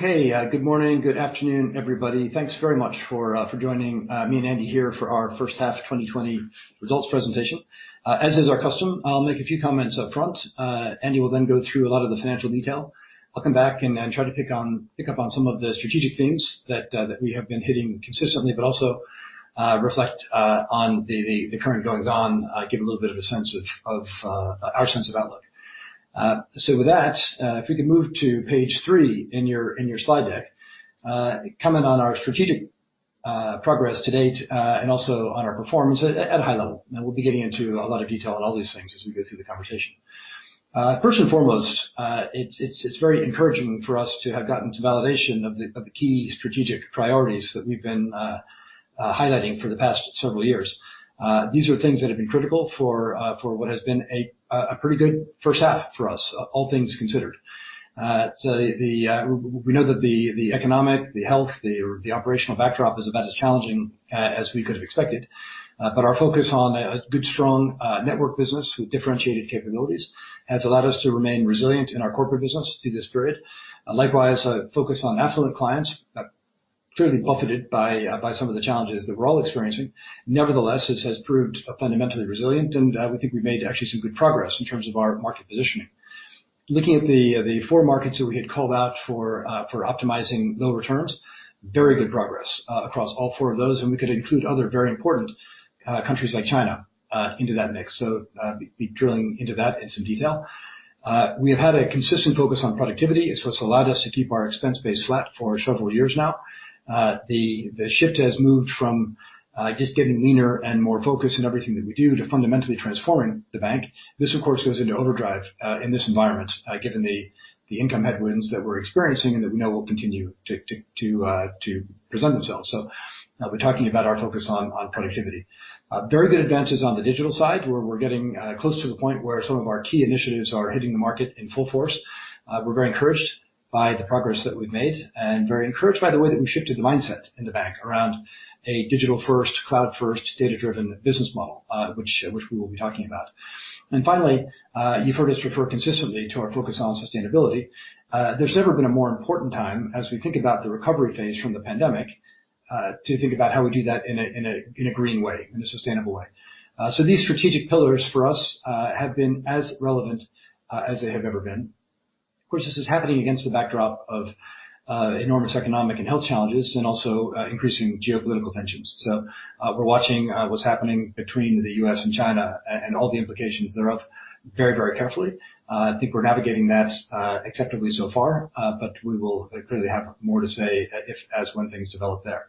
Good morning. Good afternoon, everybody. Thanks very much for joining me and Andy here for our H1 2020 Results Presentation. As is our custom, I'll make a few comments up front. Andy will then go through a lot of the financial detail. I'll come back and try to pick up on some of the strategic themes that we have been hitting consistently, but also reflect on the current goings on, give a little bit of our sense of outlook. With that, if we could move to page three in your slide deck. Comment on our strategic progress to date, and also on our performance at a high level. Now, we'll be getting into a lot of detail on all these things as we go through the conversation. First and foremost, it's very encouraging for us to have gotten to validation of the key strategic priorities that we've been highlighting for the past several years. These are things that have been critical for what has been a pretty good H1 for us, all things considered. We know that the economic, the health, the operational backdrop is about as challenging as we could have expected. Our focus on a good, strong network business with differentiated capabilities has allowed us to remain resilient in our corporate business through this period. Likewise, a focus on affluent clients clearly buffeted by some of the challenges that we're all experiencing. Nevertheless, this has proved fundamentally resilient, and we think we've made actually some good progress in terms of our market positioning. Looking at the four markets that we had called out for optimizing low returns, very good progress across all four of those, and we could include other very important countries like China into that mix. We'll be drilling into that in some detail. We have had a consistent focus on productivity. It's what's allowed us to keep our expense base flat for several years now. The shift has moved from just getting leaner and more focused in everything that we do to fundamentally transforming the bank. This, of course, goes into overdrive in this environment, given the income headwinds that we're experiencing and that we know will continue to present themselves. We're talking about our focus on productivity. Very good advances on the digital side, where we're getting close to the point where some of our key initiatives are hitting the market in full force. We're very encouraged by the progress that we've made and very encouraged by the way that we shifted the mindset in the bank around a digital first, cloud first data-driven business model, which we will be talking about. Finally, you've heard us refer consistently to our focus on sustainability. There's never been a more important time as we think about the recovery phase from the pandemic, to think about how we do that in a green way, in a sustainable way. These strategic pillars for us have been as relevant as they have ever been. Of course, this is happening against the backdrop of enormous economic and health challenges and also increasing geopolitical tensions. We're watching what's happening between the U.S. and China and all the implications thereof very carefully. I think we're navigating that acceptably so far. We will clearly have more to say as when things develop there.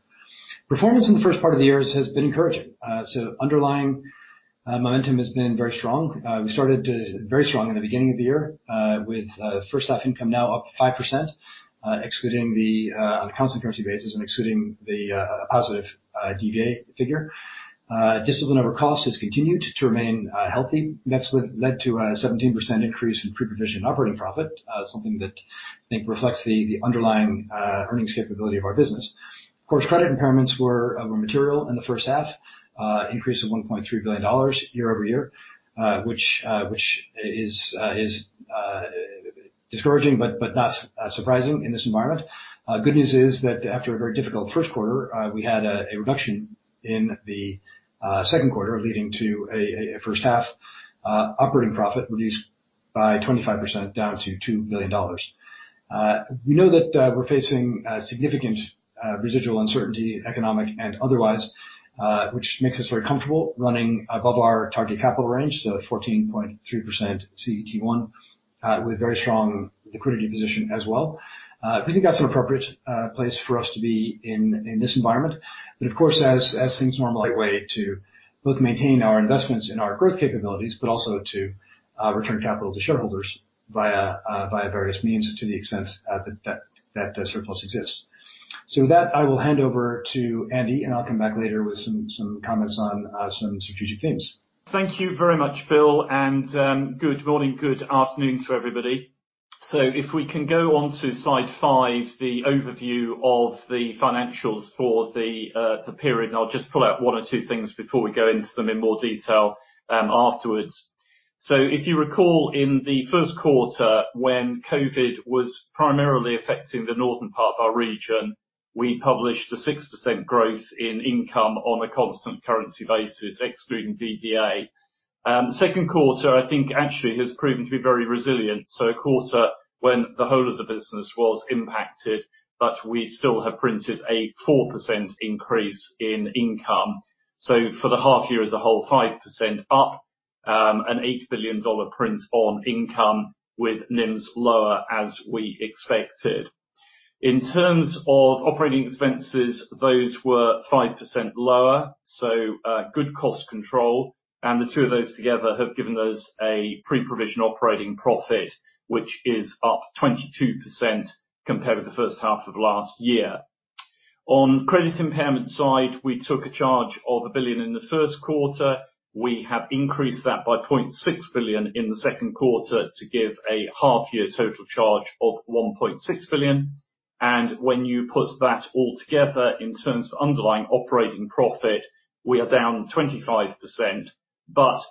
Performance in the H1 of the year has been encouraging. Underlying momentum has been very strong. We started very strong in the beginning of the year with H1 income now up 5%, on a constant currency basis and excluding the positive DVA figure. Discipline over cost has continued to remain healthy. That's led to a 17% increase in pre-provision operating profit. Something that I think reflects the underlying earnings capability of our business. Of course, credit impairments were material in the H1, increase of $1.3 billion year-over-year, which is discouraging but not surprising in this environment. Good news is that after a very difficult Q1, we had a reduction in Q2, leading to a H1 operating profit reduced by 25% down to $2 billion. We know that we're facing significant residual uncertainty, economic and otherwise, which makes us very comfortable running above our target capital range, the 14.3% CET1, with very strong liquidity position as well. We think that's an appropriate place for us to be in this environment. Of course, as things normalize, way to both maintain our investments in our growth capabilities, but also to return capital to shareholders via various means to the extent that surplus exists. That I will hand over to Andy, and I'll come back later with some comments on some strategic themes. Thank you very much, Bill. Good morning, good afternoon to everybody. If we can go on to slide five, the overview of the financials for the period, and I'll just pull out one or two things before we go into them in more detail afterwards. If you recall, in Q1, when COVID was primarily affecting the northern part of our region, we published a 6% growth in income on a constant currency basis, excluding DVA. Q2, I think actually has proven to be very resilient. A quarter when the whole of the business was impacted, but we still have printed a 4% increase in income. For the half year as a whole, 5% up, an $8 billion print on income with NIMs lower as we expected. In terms of operating expenses, those were 5% lower. Good cost control. The two of those together have given us a pre-provision operating profit, which is up 22% compared with the H1 of last year. On credit impairment side, we took a charge of $1 billion in Q1. We have increased that by $0.6 billion in Q2 to give a half year total charge of $1.6 billion. When you put that all together in terms of underlying operating profit, we are down 25%.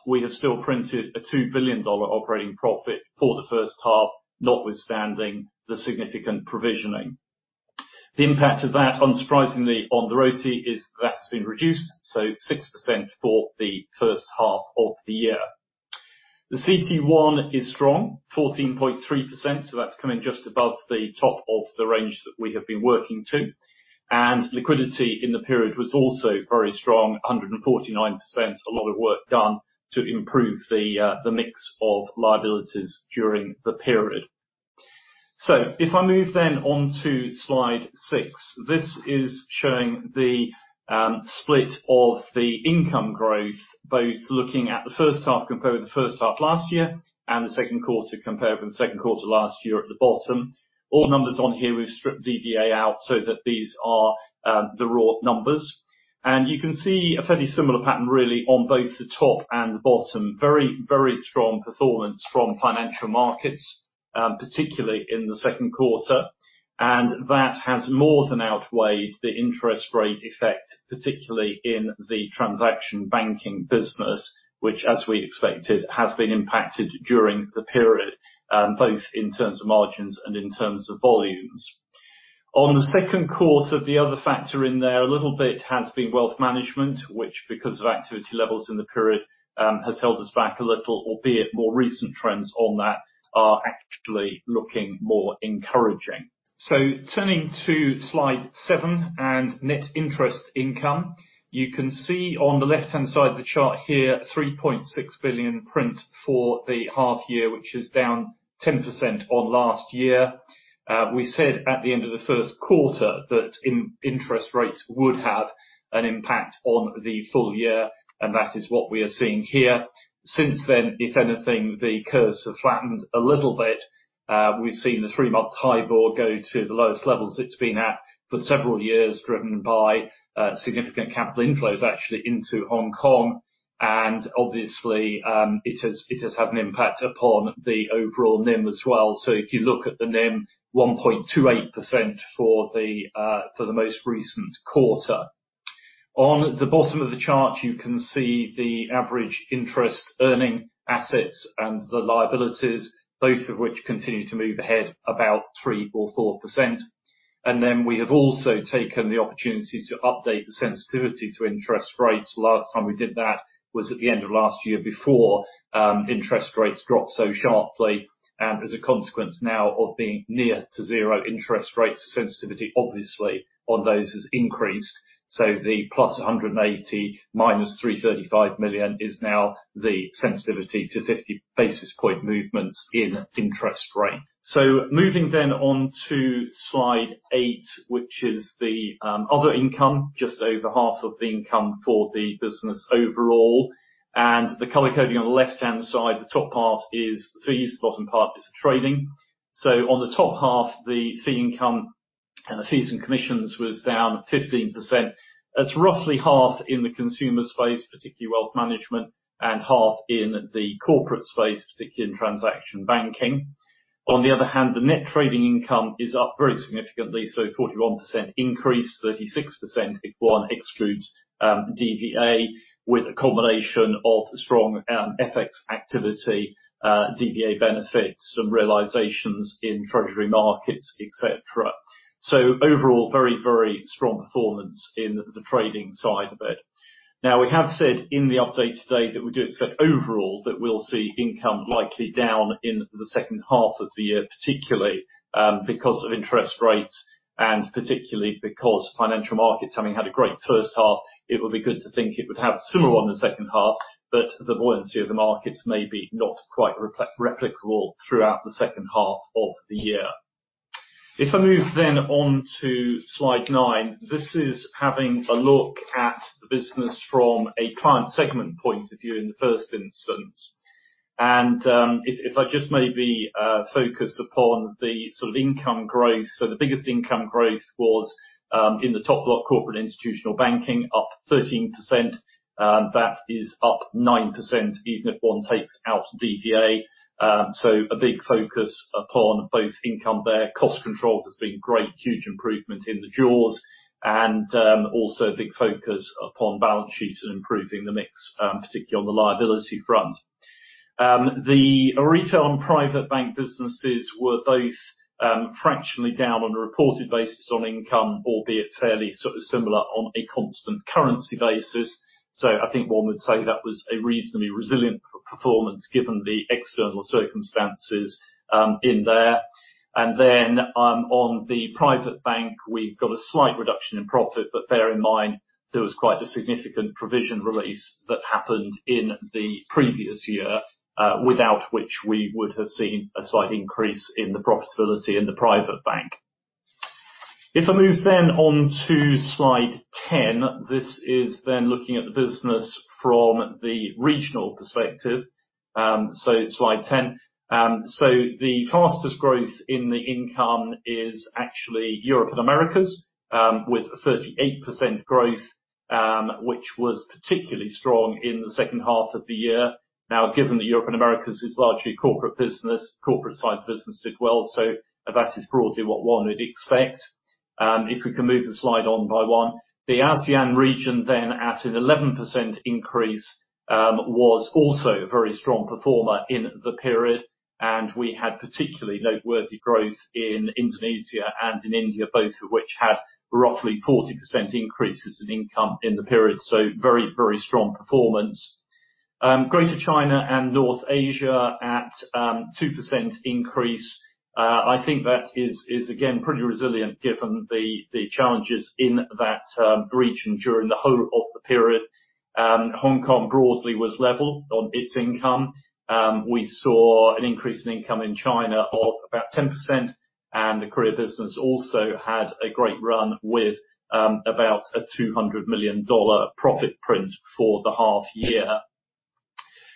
We have still printed a $2 billion operating profit for the H1, notwithstanding the significant provisioning. The impact of that, unsurprisingly, on the ROTE is, that has been reduced, so 6% for the H1 of the year. The CET1 is strong, 14.3%, so that's coming just above the top of the range that we have been working to. Liquidity in the period was also very strong, 149%. A lot of work done to improve the mix of liabilities during the period. If I move then on to slide six, this is showing the split of the income growth, both looking at the H1 compared with the H1 last year, and Q2 compared with Q2 last year at the bottom. All numbers on here, we've stripped DVA out so that these are the raw numbers. You can see a fairly similar pattern really on both the top and the bottom. Very strong performance from financial markets, particularly in Q2. That has more than outweighed the interest rate effect, particularly in the transaction banking business, which, as we expected, has been impacted during the period, both in terms of margins and in terms of volumes. On Q2, the other factor in there a little bit has been wealth management, which, because of activity levels in the period, has held us back a little, albeit more recent trends on that are actually looking more encouraging. Turning to slide seven and net interest income. You can see on the left-hand side of the chart here, $3.6 billion print for the half year, which is down 10% on last year. We said at the end of Q1 that interest rates would have an impact on the full year, and that is what we are seeing here. Since then, if anything, the curves have flattened a little bit. We've seen the three-month HIBOR go to the lowest levels it's been at for several years, driven by significant capital inflows actually into Hong Kong. Obviously, it has had an impact upon the overall NIM as well. If you look at the NIM, 1.28% for the most recent quarter. On the bottom of the chart, you can see the average interest earning assets and the liabilities, both of which continue to move ahead about 3% or 4%. Then we have also taken the opportunity to update the sensitivity to interest rates. Last time we did that was at the end of last year before interest rates dropped so sharply. As a consequence now of the near to zero interest rates sensitivity, obviously on those has increased. The +$180 million -$335 million is now the sensitivity to 50 basis point movements in interest rates. Moving then on to slide eight, which is the other income, just over half of the income for the business overall. The color coding on the left-hand side. The top part is fees, the bottom part is trading. On the top half, the fee income, fees and commissions was down 15%. That's roughly half in the consumer space, particularly wealth management, and half in the corporate space, particularly in transaction banking. On the other hand, the net trading income is up very significantly, 41% increase, 36% if one excludes DVA with a combination of strong FX activity, DVA benefits, some realizations in treasury markets, et cetera. Overall, very strong performance in the trading side of it. We have said in the update today that we do expect overall that we'll see income likely down in the H2 of the year, particularly because of interest rates and particularly because financial markets having had a great H1. It would be good to think it would have similar on the H2, the buoyancy of the markets may be not quite replicable throughout the H2 of the year. If I move on to slide nine, this is having a look at the business from a client segment point of view in the first instance. If I just maybe focus upon the sort of income growth. The biggest income growth was in the top block, Corporate Institutional Banking up 13%. That is up 9%, even if one takes out DVA. A big focus upon both income there. Cost control has been great, huge improvement in the jaws, and also a big focus upon balance sheet and improving the mix, particularly on the liability front. The retail and private bank businesses were both fractionally down on a reported basis on income, albeit fairly sort of similar on a constant currency basis. I think one would say that was a reasonably resilient performance given the external circumstances in there. Then on the private bank, we've got a slight reduction in profit. Bear in mind, there was quite a significant provision release that happened in the previous year, without which we would have seen a slight increase in the profitability in the private bank. If I move then on to slide 10, this is then looking at the business from the regional perspective. Slide 10. The fastest growth in the income is actually Europe and Americas with 38% growth, which was particularly strong in the H2 of the year. Given that Europe and Americas is largely corporate business, corporate side business did well. That is broadly what one would expect. If we can move the slide on by one. ASEAN region at an 11% increase was also a very strong performer in the period, and we had particularly noteworthy growth in Indonesia and in India, both of which had roughly 40% increases in income in the period. Very strong performance. Greater China and North Asia at 2% increase. I think that is again, pretty resilient given the challenges in that region during the whole of the period. Hong Kong broadly was level on its income. We saw an increase in income in China of about 10%. The Korea business also had a great run with about a $200 million profit print for the half year.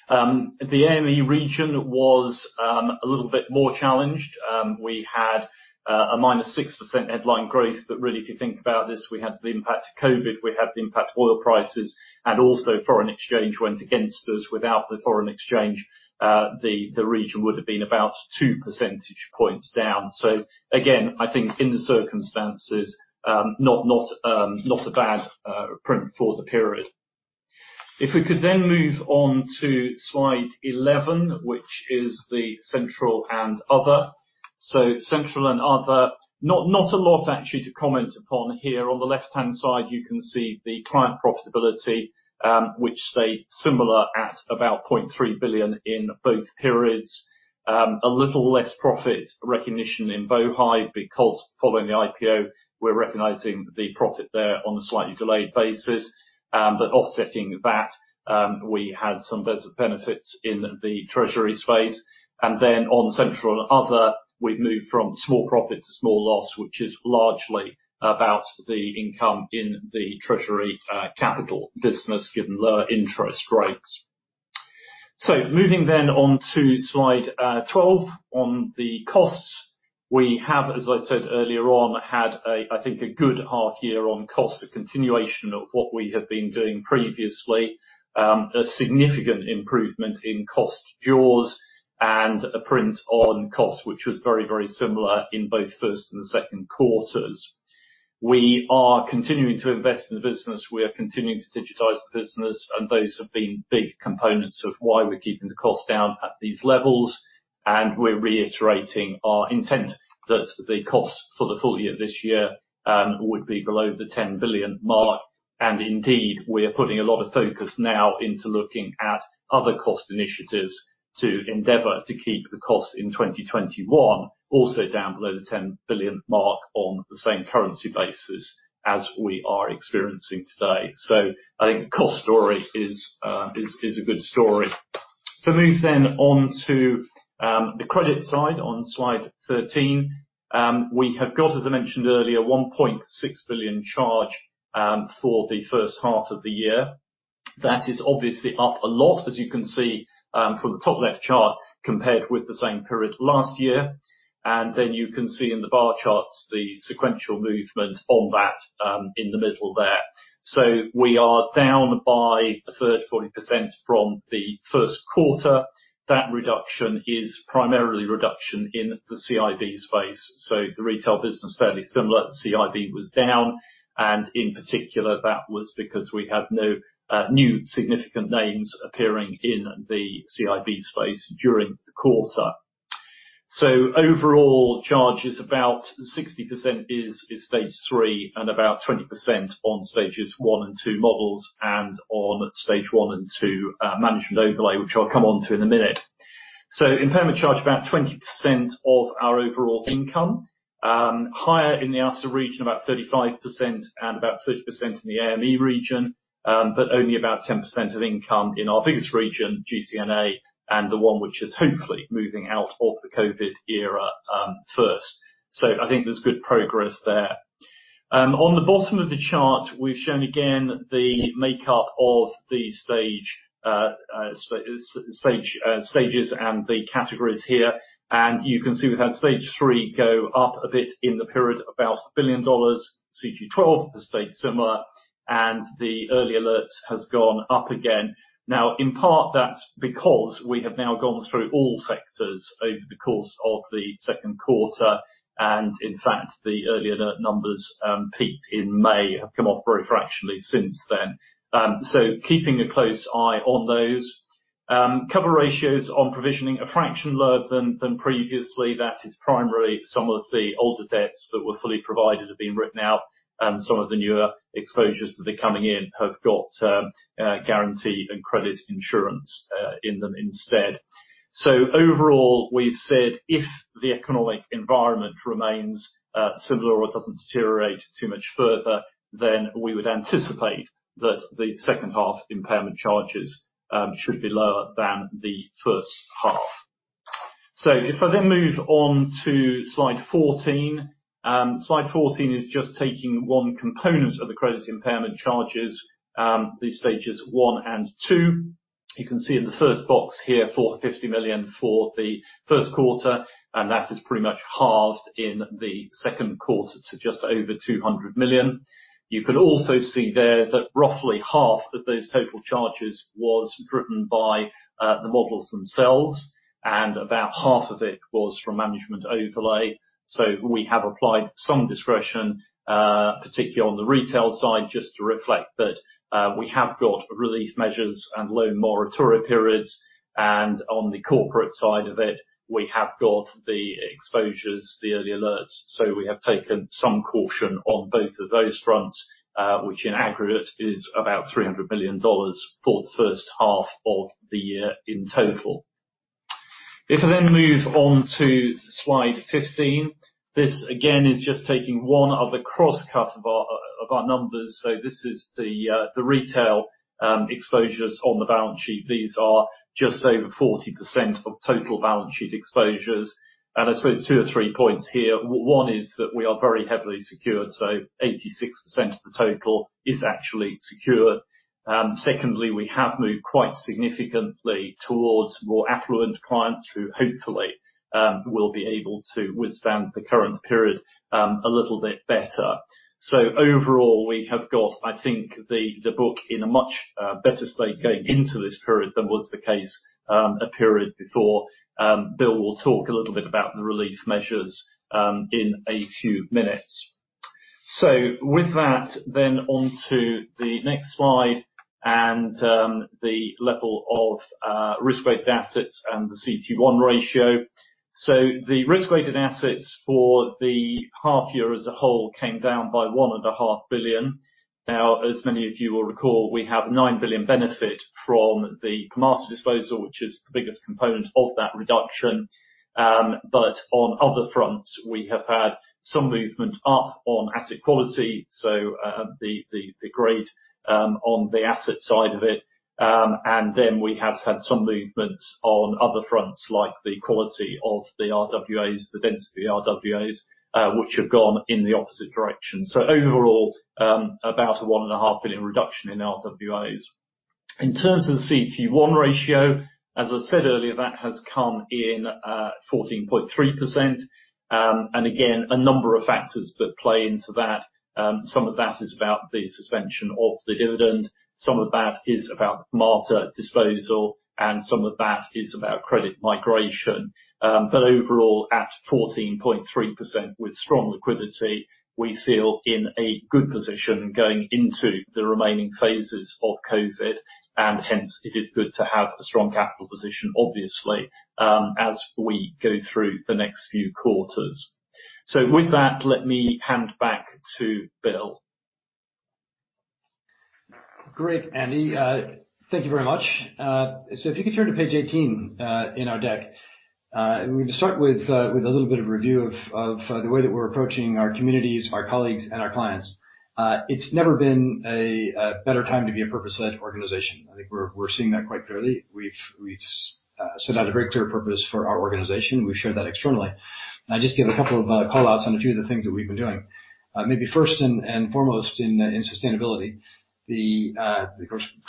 The AME region was a little bit more challenged. We had a -6% headline growth. Really, if you think about this, we had the impact of COVID, we had the impact of oil prices, and also foreign exchange went against us. Without the foreign exchange, the region would have been about two percentage points down. Again, I think in the circumstances, not a bad print for the period. If we could move on to slide 11, which is the central and other. Central and other, not a lot actually to comment upon here. On the left-hand side, you can see the client profitability, which stayed similar at about $0.3 billion in both periods. A little less profit recognition in Bohai because following the IPO, we are recognizing the profit there on a slightly delayed basis. Offsetting that, we had some benefit of benefits in the treasuries phase. Then on central and other, we've moved from small profit to small loss, which is largely about the income in the treasury capital business given the interest rates. Moving then on to slide 12 on the costs. We have, as I said earlier on, had, I think, a good half year on cost, a continuation of what we have been doing previously. A significant improvement in cost jaws and a print on cost, which was very similar in both Q1s and Q2s. We are continuing to invest in the business. We are continuing to digitize the business, and those have been big components of why we are keeping the cost down at these levels. We are reiterating our intent that the cost for the full year this year would be below the $10 billion mark. Indeed, we are putting a lot of focus now into looking at other cost initiatives to endeavor to keep the cost in 2021 also down below the $10 billion mark on the same currency basis as we are experiencing today. I think cost story is a good story. To move on to the credit side on slide 13. We have got, as I mentioned earlier, a $1.6 billion charge for the H1 of the year. That is obviously up a lot, as you can see from the top left chart compared with the same period last year. You can see in the bar charts the sequential movement on that in the middle there. We are down by 30%, 40% from Q1. That reduction is primarily reduction in the CIB space. The retail business fairly similar. The CIB was down. In particular, that was because we had no new significant names appearing in the CIB space during the quarter. Overall charge is about 60% is Stage 3 and about 20% on Stages 1 and 2 models and on Stage 1 and 2 management overlay, which I'll come onto in a minute. Impairment charge, about 20% of our overall income. Higher in the ASA region, about 35%, and about 30% in the AME region. Only about 10% of income in our biggest region, GCNA, and the one which is hopefully moving out of the COVID era first. I think there's good progress there. On the bottom of the chart, we have shown again the makeup of the stages and the categories here, and you can see we've had Stage 3 go up a bit in the period about $1 billion. CG12 has stayed similar, the earlier alerts has gone up again. In part, that's because we have now gone through all sectors over the course of Q2. In fact, the earlier alert numbers peaked in May, have come off very fractionally since then. Keeping a close eye on those. Cover ratios on provisioning, a fraction lower than previously. That is primarily some of the older debts that were fully provided have been written out. Some of the newer exposures that are coming in have got guarantee and credit insurance in them instead. Overall, we've said if the economic environment remains similar or doesn't deteriorate too much further, then we would anticipate that the H2 impairment charges should be lower than the H1. If I then move on to slide 14. Slide 14 is just taking one component of the credit impairment charges, the Stages 1 and 2. You can see in the first box here, $450 million for Q1, that is pretty much halved in Q2 to just over $200 million. You can also see there that roughly half of those total charges was driven by the models themselves, about half of it was from management overlay. We have applied some discretion, particularly on the retail side, just to reflect that we have got relief measures and loan moratoria periods. On the corporate side of it, we have got the exposures, the early alerts. We have taken some caution on both of those fronts, which in aggregate is about $300 million for the H1 of the year in total. If I then move on to slide 15, this again is just taking one other cross-cut of our numbers. This is the retail exposures on the balance sheet. These are just over 40% of total balance sheet exposures. I suppose two or three points here. One is that we are very heavily secured, so 86% of the total is actually secured. Secondly, we have moved quite significantly towards more affluent clients who hopefully will be able to withstand the current period a little bit better. Overall, we have got, I think, the book in a much better state going into this period than was the case a period before. Bill will talk a little bit about the relief measures in a few minutes. With that, then on to the next slide and the level of risk-weighted assets and the CET1 ratio. The risk-weighted assets for the half year as a whole came down by $1.5 billion. As many of you will recall, we have a $9 billion benefit from the Permata disposal, which is the biggest component of that reduction. On other fronts, we have had some movement up on asset quality, so the grade on the asset side of it. We have had some movements on other fronts, like the quality of the RWAs, the density of the RWAs, which have gone in the opposite direction. Overall, about a $1.5 billion reduction in RWAs. In terms of the CET1 ratio, as I said earlier, that has come in at 14.3%. Again, a number of factors that play into that. Some of that is about the suspension of the dividend, some of that is about Permata disposal, and some of that is about credit migration. Overall, at 14.3% with strong liquidity, we feel in a good position going into the remaining phases of COVID, and hence it is good to have a strong capital position, obviously, as we go through the next few quarters. With that, let me hand back to Bill. Great, Andy. Thank you very much. If you could turn to page 18 in our deck. We're going to start with a little bit of review of the way that we're approaching our communities, our colleagues, and our clients. It's never been a better time to be a purpose-led organization. I think we're seeing that quite clearly. We've set out a very clear purpose for our organization. We've shared that externally. I just give a couple of callouts on a few of the things that we've been doing. Maybe first and foremost in sustainability, the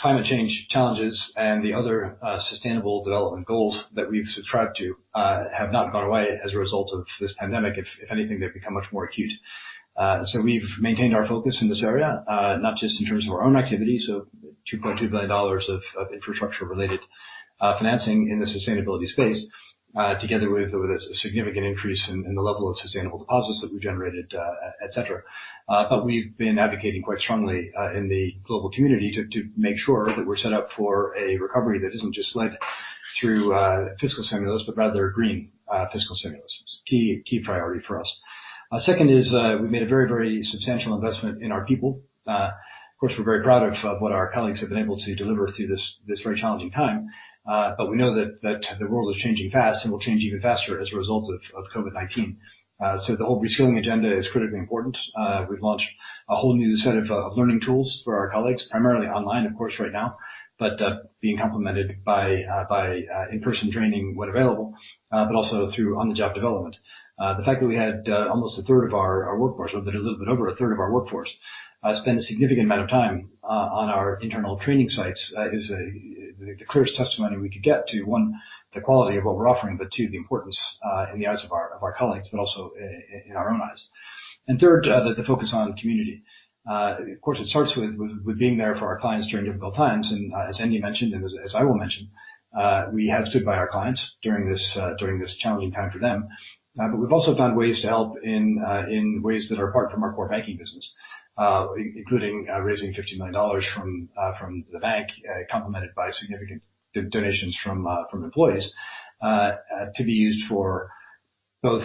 climate change challenges and the other sustainable development goals that we've subscribed to have not gone away as a result of this pandemic. If anything, they've become much more acute. We've maintained our focus in this area, not just in terms of our own activity, $2.2 billion of infrastructure related financing in the sustainability space, together with a significant increase in the level of sustainable deposits that we generated, et cetera. We've been advocating quite strongly in the global community to make sure that we're set up for a recovery that isn't just led through fiscal stimulus, but rather green fiscal stimulus. Key priority for us. Second is we've made a very substantial investment in our people. Of course, we're very proud of what our colleagues have been able to deliver through this very challenging time. We know that the world is changing fast and will change even faster as a result of COVID-19. The whole reskilling agenda is critically important. We've launched a whole new set of learning tools for our colleagues, primarily online, of course, right now, but being complemented by in-person training when available, but also through on-the-job development. The fact that we had almost a third of our workforce, a little bit over a third of our workforce, spend a significant amount of time on our internal training sites is the clearest testimony we could get to, one, the quality of what we're offering, but two, the importance in the eyes of our colleagues, but also in our own eyes. Third, the focus on community. Of course, it starts with being there for our clients during difficult times. As Andy mentioned, and as I will mention, we have stood by our clients during this challenging time for them. We've also found ways to help in ways that are apart from our core banking business, including raising $15 million from the bank, complemented by significant donations from employees, to be used for both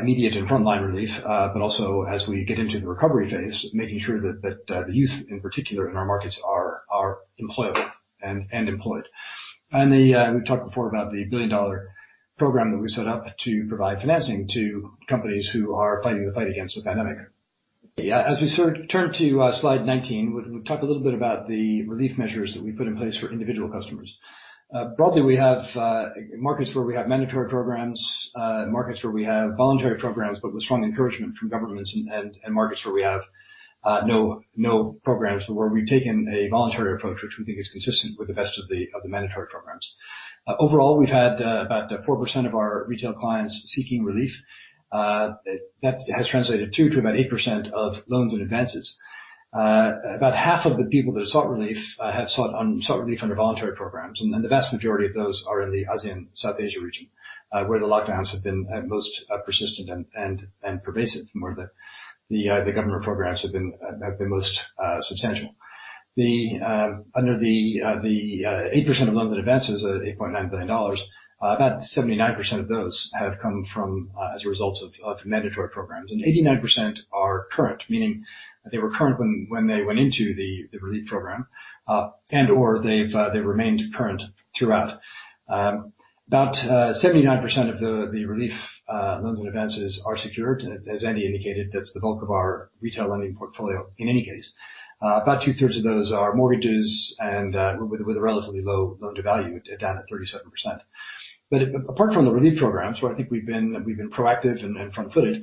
immediate and frontline relief. Also as we get into the recovery phase, making sure that the youth, in particular in our markets, are employable and employed. We've talked before about the billion-dollar program that we set up to provide financing to companies who are fighting the fight against the pandemic. As we turn to slide 19, we talk a little bit about the relief measures that we put in place for individual customers. Broadly, we have markets where we have mandatory programs, markets where we have voluntary programs, but with strong encouragement from governments, and markets where we have no programs, where we've taken a voluntary approach, which we think is consistent with the best of the mandatory programs. Overall, we've had about 4% of our retail clients seeking relief. That has translated to about 8% of loans and advances. About half of the people that have sought relief have sought relief under voluntary programs, and the vast majority of those are in the ASEAN South Asia region, where the lockdowns have been most persistent and pervasive, and where the government programs have been most substantial. Under the 8% of loans and advances, $8.9 billion, about 79% of those have come as a result of mandatory programs, and 89% are current, meaning that they were current when they went into the relief program, and/or they've remained current throughout. About 79% of the relief loans and advances are secured. As Andy indicated, that's the bulk of our retail lending portfolio in any case. About two-thirds of those are mortgages and with a relatively low loan-to-value, down at 37%. Apart from the relief programs, where I think we've been proactive and front-footed,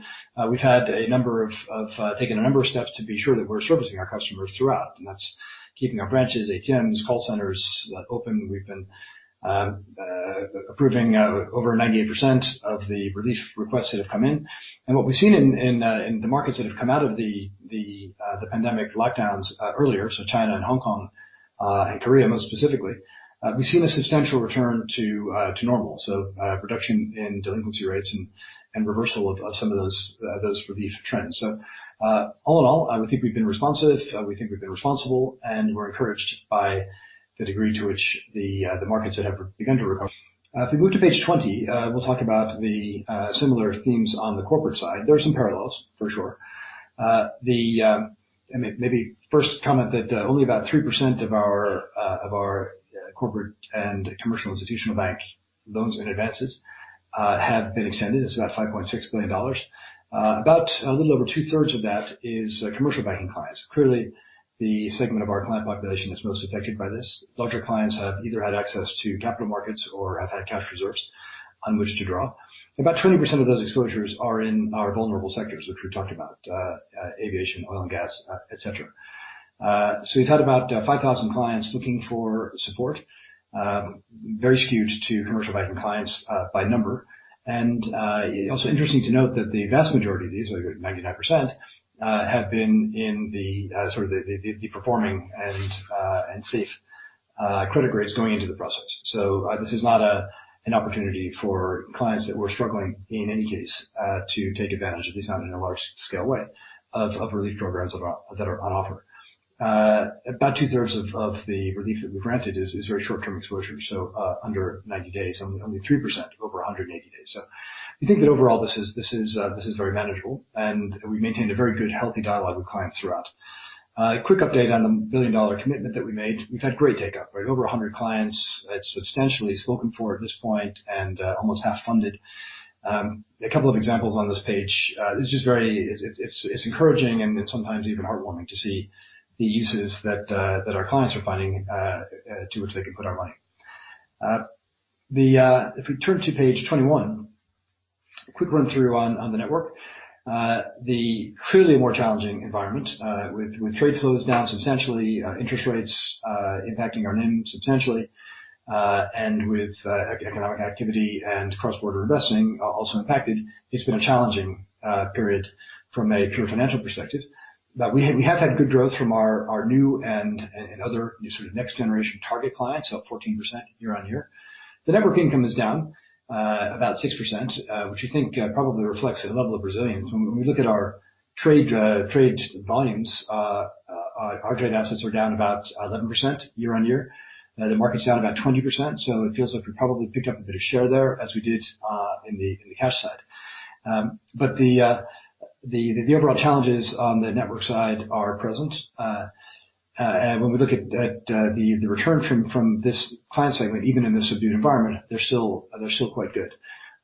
we've taken a number of steps to be sure that we're servicing our customers throughout, and that's keeping our branches, ATMs, call centers open. We've been approving over 98% of the relief requests that have come in. What we've seen in the markets that have come out of the pandemic lockdowns earlier, so China and Hong Kong, and Korea most specifically, we've seen a substantial return to normal. A reduction in delinquency rates and reversal of some of those relief trends. All in all, I would think we've been responsive, we think we've been responsible, and we're encouraged by the degree to which the markets have begun to recover. If we move to page 20, we'll talk about the similar themes on the corporate side. There are some parallels, for sure. Maybe first comment that only about 3% of our corporate and commercial institutional bank loans and advances have been extended. It's about $5.6 billion. About a little over two-thirds of that is commercial banking clients, clearly the segment of our client population that's most affected by this. Larger clients have either had access to capital markets or have had cash reserves on which to draw. About 20% of those exposures are in our vulnerable sectors, which we've talked about, aviation, oil and gas, et cetera. We've had about 5,000 clients looking for support. Very skewed to commercial banking clients by number. It's also interesting to note that the vast majority of these, 99%, have been in the performing and safe credit grades going into the process. This is not an opportunity for clients that were struggling in any case to take advantage, at least not in a large-scale way, of relief programs that are on offer. About two-thirds of the relief that we've granted is very short-term exposure, so under 90 days. Only 3% over 180 days. We think that overall this is very manageable, and we maintained a very good, healthy dialogue with clients throughout. A quick update on the billion-dollar commitment that we made. We've had great take-up. Over 100 clients. It's substantially spoken for at this point and almost half funded. A couple of examples on this page. It's encouraging and sometimes even heartwarming to see the uses that our clients are finding to which they can put our money. If we turn to page 21, quick run through on the network. The clearly more challenging environment with trade flows down substantially, interest rates impacting our NIM substantially, and with economic activity and cross-border investing also impacted. It's been a challenging period from a pure financial perspective. We have had good growth from our new and other next generation target clients, up 14% year-on-year. The network income is down about 6%, which we think probably reflects the level of resilience. When we look at our trade volumes, our trade assets are down about 11% year-on-year. The market's down about 20%. It feels like we probably picked up a bit of share there as we did in the cash side. The overall challenges on the network side are present. When we look at the return from this client segment, even in the subdued environment, they're still quite good.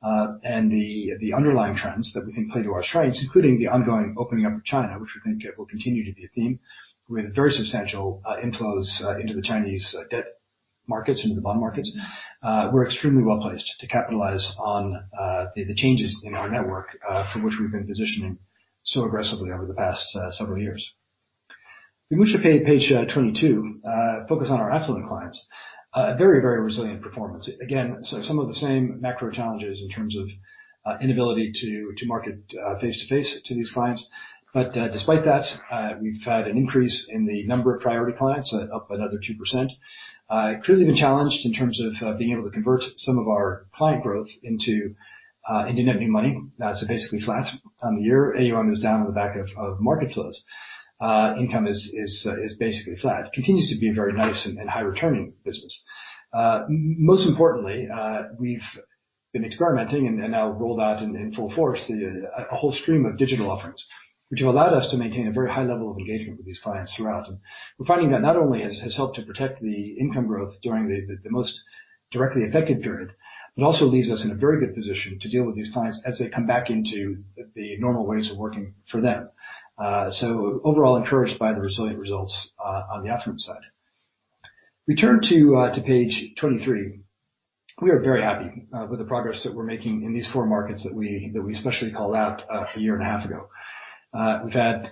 The underlying trends that we think play to our strengths, including the ongoing opening up of China, which we think will continue to be a theme with very substantial inflows into the Chinese debt markets, into the bond markets. We're extremely well-placed to capitalize on the changes in our network for which we've been positioning so aggressively over the past several years. If we move to page 22, focus on our affluent clients. Very resilient performance. Again, some of the same macro challenges in terms of inability to market face-to-face to these clients. Despite that, we've had an increase in the number of priority clients, up another 2%. Clearly been challenged in terms of being able to convert some of our client growth into net new money. Basically flat on the year. AUM is down on the back of market flows. Income is basically flat. Continues to be a very nice and high-returning business. Most importantly, we've been experimenting and now rolled out in full force a whole stream of digital offerings, which have allowed us to maintain a very high level of engagement with these clients throughout. We're finding that not only has helped to protect the income growth during the most directly affected period, but also leaves us in a very good position to deal with these clients as they come back into the normal ways of working for them. Overall, encouraged by the resilient results on the affluent side. We turn to page 23. We are very happy with the progress that we're making in these four markets that we specially called out a year and a half ago. We've had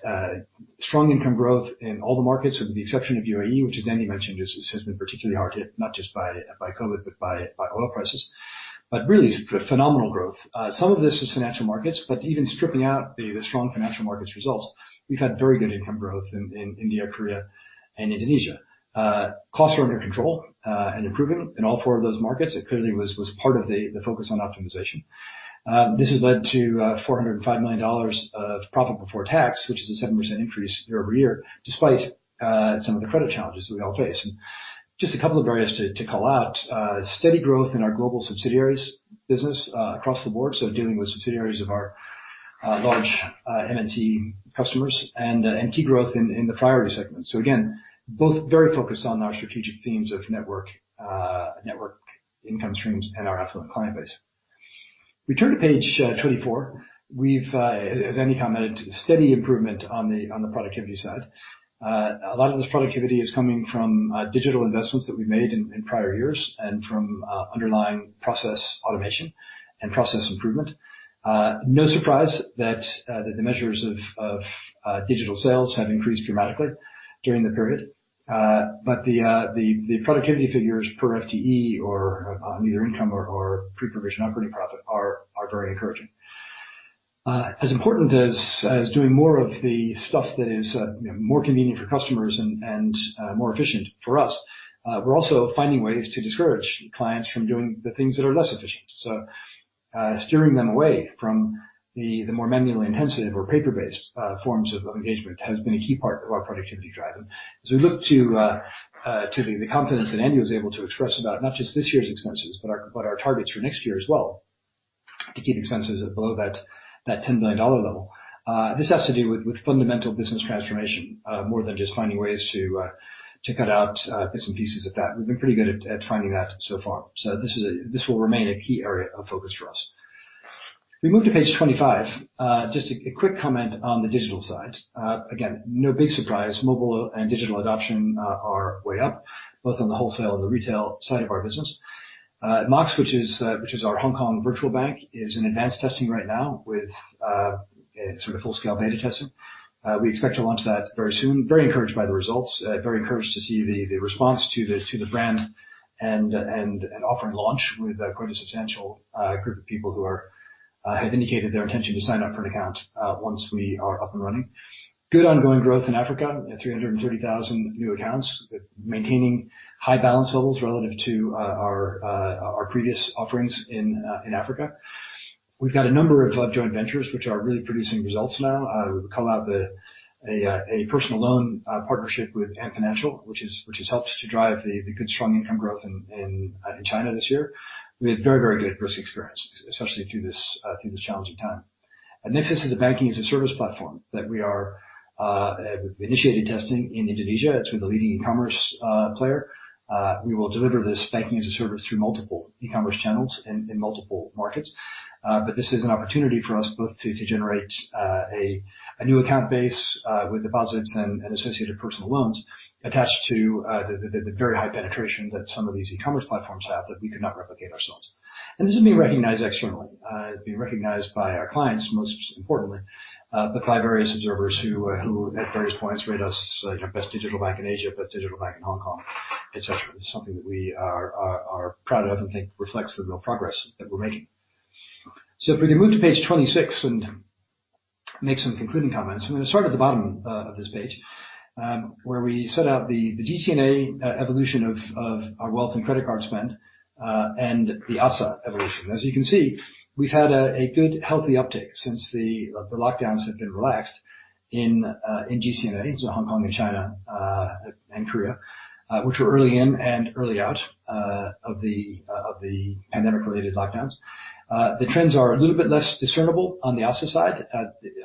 strong income growth in all the markets with the exception of U.A.E., which as Andy mentioned, has been particularly hard hit, not just by COVID, but by oil prices. Really, it's phenomenal growth. Some of this is financial markets, but even stripping out the strong financial markets results, we've had very good income growth in India, Korea, and Indonesia. Costs are under control and improving in all four of those markets. It clearly was part of the focus on optimization. This has led to $405 million of profit before tax, which is a 7% increase year-over-year, despite some of the credit challenges that we all face. Just a couple of areas to call out. Steady growth in our global subsidiaries business across the board, so dealing with subsidiaries of our large MNC customers and key growth in the priority segment. Again, both very focused on our strategic themes of network income streams and our affluent client base. We turn to page 24. We've, as Andy commented, steady improvement on the productivity side. A lot of this productivity is coming from digital investments that we made in prior years and from underlying process automation and process improvement. No surprise that the measures of digital sales have increased dramatically during the period. The productivity figures per FTE or on either income or pre-provision operating profit are very encouraging. As important as doing more of the stuff that is more convenient for customers and more efficient for us, we're also finding ways to discourage clients from doing the things that are less efficient. Steering them away from the more manually intensive or paper-based forms of engagement has been a key part of our productivity drive. We look to the confidence that Andy was able to express about not just this year's expenses, but our targets for next year as well to keep expenses below that $10 billion level. This has to do with fundamental business transformation more than just finding ways to cut out bits and pieces of fat. This will remain a key area of focus for us. We move to page 25. Just a quick comment on the digital side. Again, no big surprise, mobile and digital adoption are way up, both on the wholesale and the retail side of our business. Mox, which is our Hong Kong virtual bank, is in advanced testing right now with sort of full-scale beta testing. We expect to launch that very soon. Very encouraged by the results. Very encouraged to see the response to the brand and offering launch with quite a substantial group of people who have indicated their intention to sign up for an account once we are up and running. Good ongoing growth in Africa at 330,000 new accounts, maintaining high balance levels relative to our previous offerings in Africa. We've got a number of joint ventures which are really producing results now. We call out a personal loan partnership with Ant Financial, which has helped to drive the good, strong income growth in China this year with very good risk experience, especially through this challenging time. nexus is a Banking as a Service platform that we are initiating testing in Indonesia through the leading e-commerce player. We will deliver this Banking as a Service through multiple e-commerce channels in multiple markets. This is an opportunity for us both to generate a new account base with deposits and associated personal loans attached to the very high penetration that some of these e-commerce platforms have that we could not replicate ourselves. This is being recognized externally. It's being recognized by our clients, most importantly, but by various observers who at various points rate us best digital bank in Asia, best digital bank in Hong Kong, et cetera. It's something that we are proud of and think reflects the real progress that we're making. If we can move to page 26 and make some concluding comments. I'm going to start at the bottom of this page, where we set out the GC&A evolution of our wealth and credit card spend, and the ASA evolution. As you can see, we've had a good, healthy uptick since the lockdowns have been relaxed in GC&A to Hong Kong and China and Korea, which were early in and early out of the pandemic-related lockdowns. The trends are a little bit less discernible on the ASA side.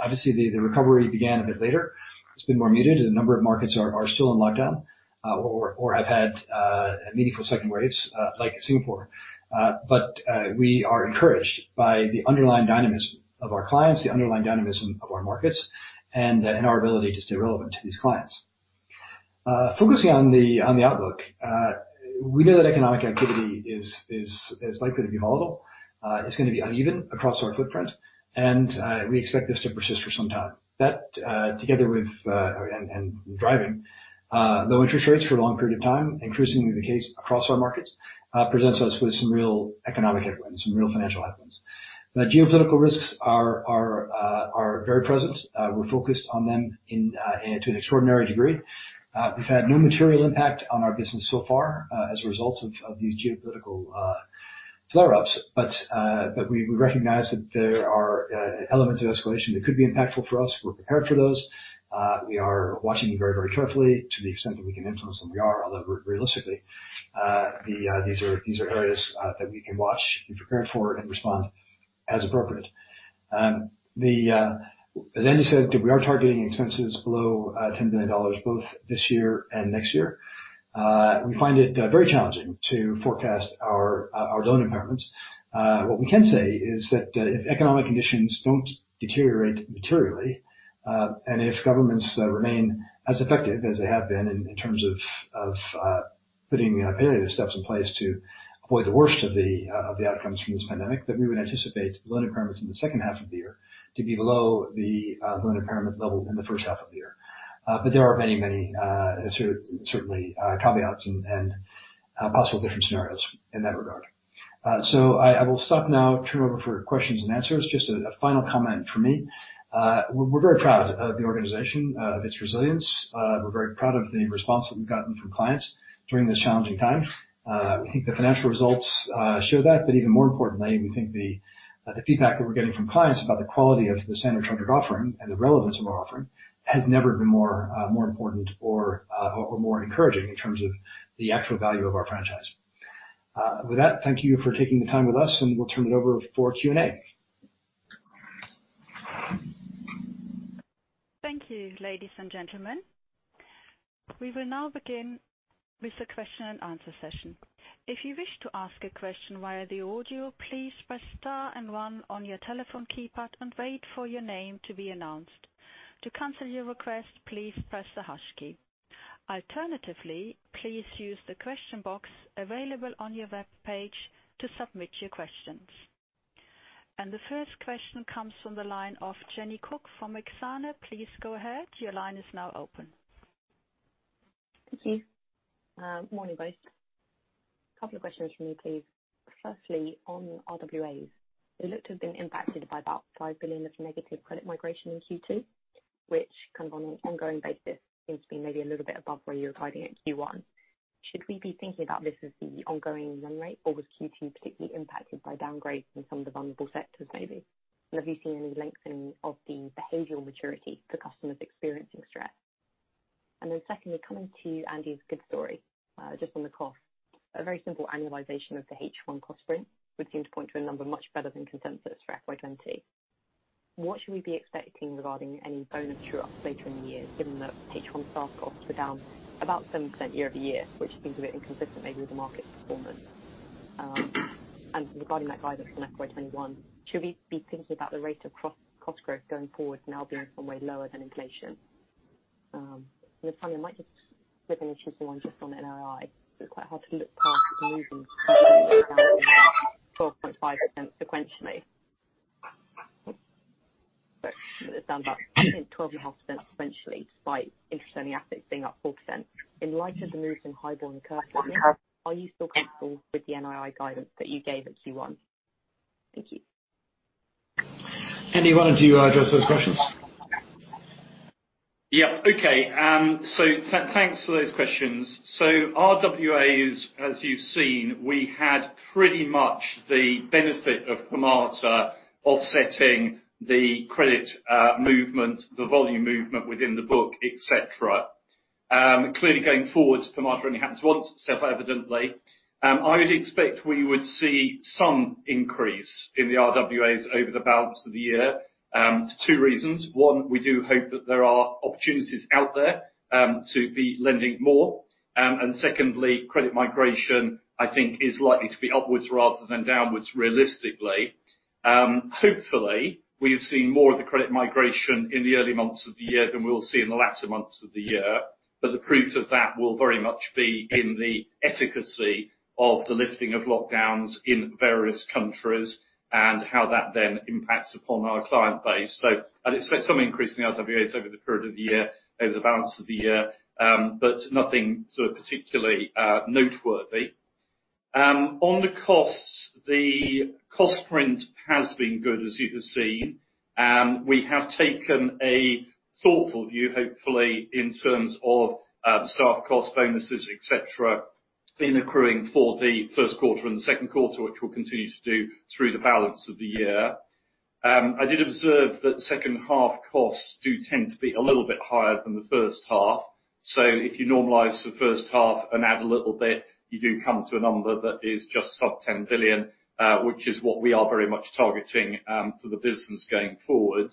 Obviously, the recovery began a bit later. It's been more muted. A number of markets are still in lockdown or have had meaningful second waves like Singapore. We are encouraged by the underlying dynamism of our clients, the underlying dynamism of our markets, and our ability to stay relevant to these clients. Focusing on the outlook. We know that economic activity is likely to be volatile. It's going to be uneven across our footprint, and we expect this to persist for some time. That, together with low interest rates for a long period of time, increasingly the case across our markets, presents us with some real economic headwinds, some real financial headwinds. The geopolitical risks are very present. We're focused on them to an extraordinary degree. We've had no material impact on our business so far as a result of these geopolitical flare-ups. We recognize that there are elements of escalation that could be impactful for us. We're prepared for those. We are watching very carefully to the extent that we can influence them. We are, although realistically, these are areas that we can watch and prepare for and respond as appropriate. As Andy said, we are targeting expenses below $10 billion both this year and next year. We find it very challenging to forecast our loan impairments. What we can say is that if economic conditions don't deteriorate materially and if governments remain as effective as they have been in terms of putting various steps in place to avoid the worst of the outcomes from this pandemic, then we would anticipate loan impairments in the H2 of the year to be below the loan impairment level in the H1 of the year. There are many certainly caveats and possible different scenarios in that regard. I will stop now, turn over for questions and answers. Just a final comment from me. We're very proud of the organization, of its resilience. We're very proud of the response that we've gotten from clients during this challenging time. We think the financial results show that. Even more importantly, we think the feedback that we're getting from clients about the quality of the Standard Chartered offering and the relevance of our offering has never been more important or more encouraging in terms of the actual value of our franchise. With that, thank you for taking the time with us, and we'll turn it over for Q&A. Thank you, ladies and gentlemen. We will now begin with the question and answer session. If you wish to ask a question via the audio, please press star and one on your telephone keypad and wait for your name to be announced. To cancel your request, please press the hash key. Alternatively, please use the question box available on your web page to submit your questions. The first question comes from the line of Jenny Cook from Exane. Please go ahead. Your line is now open. Thank you. Morning, guys. Couple of questions from me, please. Firstly, on RWAs. They look to have been impacted by about $5 billion of negative credit migration in Q2, which kind of on an ongoing basis seems to be maybe a little bit above where you were guiding at Q1. Should we be thinking about this as the ongoing run rate, or was Q2 particularly impacted by downgrades in some of the vulnerable sectors, maybe? Have you seen any lengthening of the behavioral maturity for customers experiencing stress? Secondly, coming to you, Andy, as a good story. Just on the cost. A very simple annualization of the H1 cost print would seem to point to a number much better than consensus for FY 2020. What should we be expecting regarding any bonus true-ups later in the year, given that H1 staff costs were down about 7% year-over-year, which seems a bit inconsistent maybe with the market performance. Regarding that guidance on FY 2021, should we be thinking about the rate of cost growth going forward now being some way lower than inflation? Finally, I might just slip in a cheeky one just on NII. It's quite hard to look past the movement 12.5% sequentially. It's down about, I think, 12.5% sequentially, despite interest only assets being up 4%. In light of the moves in HIBOR in the curve at the minute, are you still comfortable with the NII guidance that you gave at Q1? Thank you. Andy, why don't you address those questions? Okay. Thanks for those questions. RWAs, as you've seen, we had pretty much the benefit of Permata offsetting the credit movement, the volume movement within the book, et cetera. Clearly going forward, Permata only happens once, self-evidently. I would expect we would see some increase in the RWAs over the balance of the year. For two reasons. One, we do hope that there are opportunities out there, to be lending more. Secondly, credit migration, I think, is likely to be upwards rather than downwards, realistically. Hopefully, we have seen more of the credit migration in the early months of the year than we will see in the latter months of the year. The proof of that will very much be in the efficacy of the lifting of lockdowns in various countries and how that then impacts upon our client base. I'd expect some increase in the RWAs over the period of the year, over the balance of the year, but nothing sort of particularly noteworthy. On the costs, the cost print has been good, as you can see. We have taken a thoughtful view, hopefully, in terms of staff cost, bonuses, et cetera, in accruing for Q1 and Q2, which we'll continue to do through the balance of the year. I did observe that H2 costs do tend to be a little bit higher than the H1. If you normalize the H1 and add a little bit, you do come to a number that is just sub $10 billion, which is what we are very much targeting for the business going forward.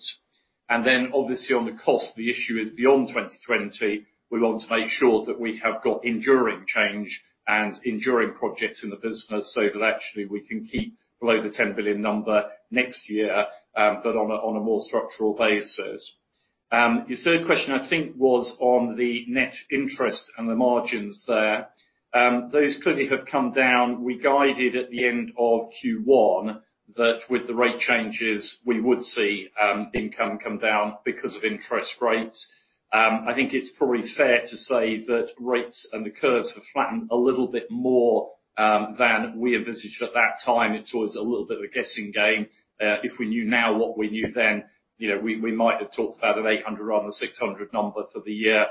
Obviously on the cost, the issue is beyond 2020. We want to make sure that we have got enduring change and enduring projects in the business so that actually we can keep below the $10 billion number next year, but on a more structural basis. Your third question, I think, was on the net interest and the margins there. Those clearly have come down. We guided at the end of Q1 that with the rate changes we would see income come down because of interest rates. I think it's probably fair to say that rates and the curves have flattened a little bit more than we envisaged at that time. It was a little bit of a guessing game. If we knew now what we knew then, we might have talked about an $800 million rather than $600 million number for the year.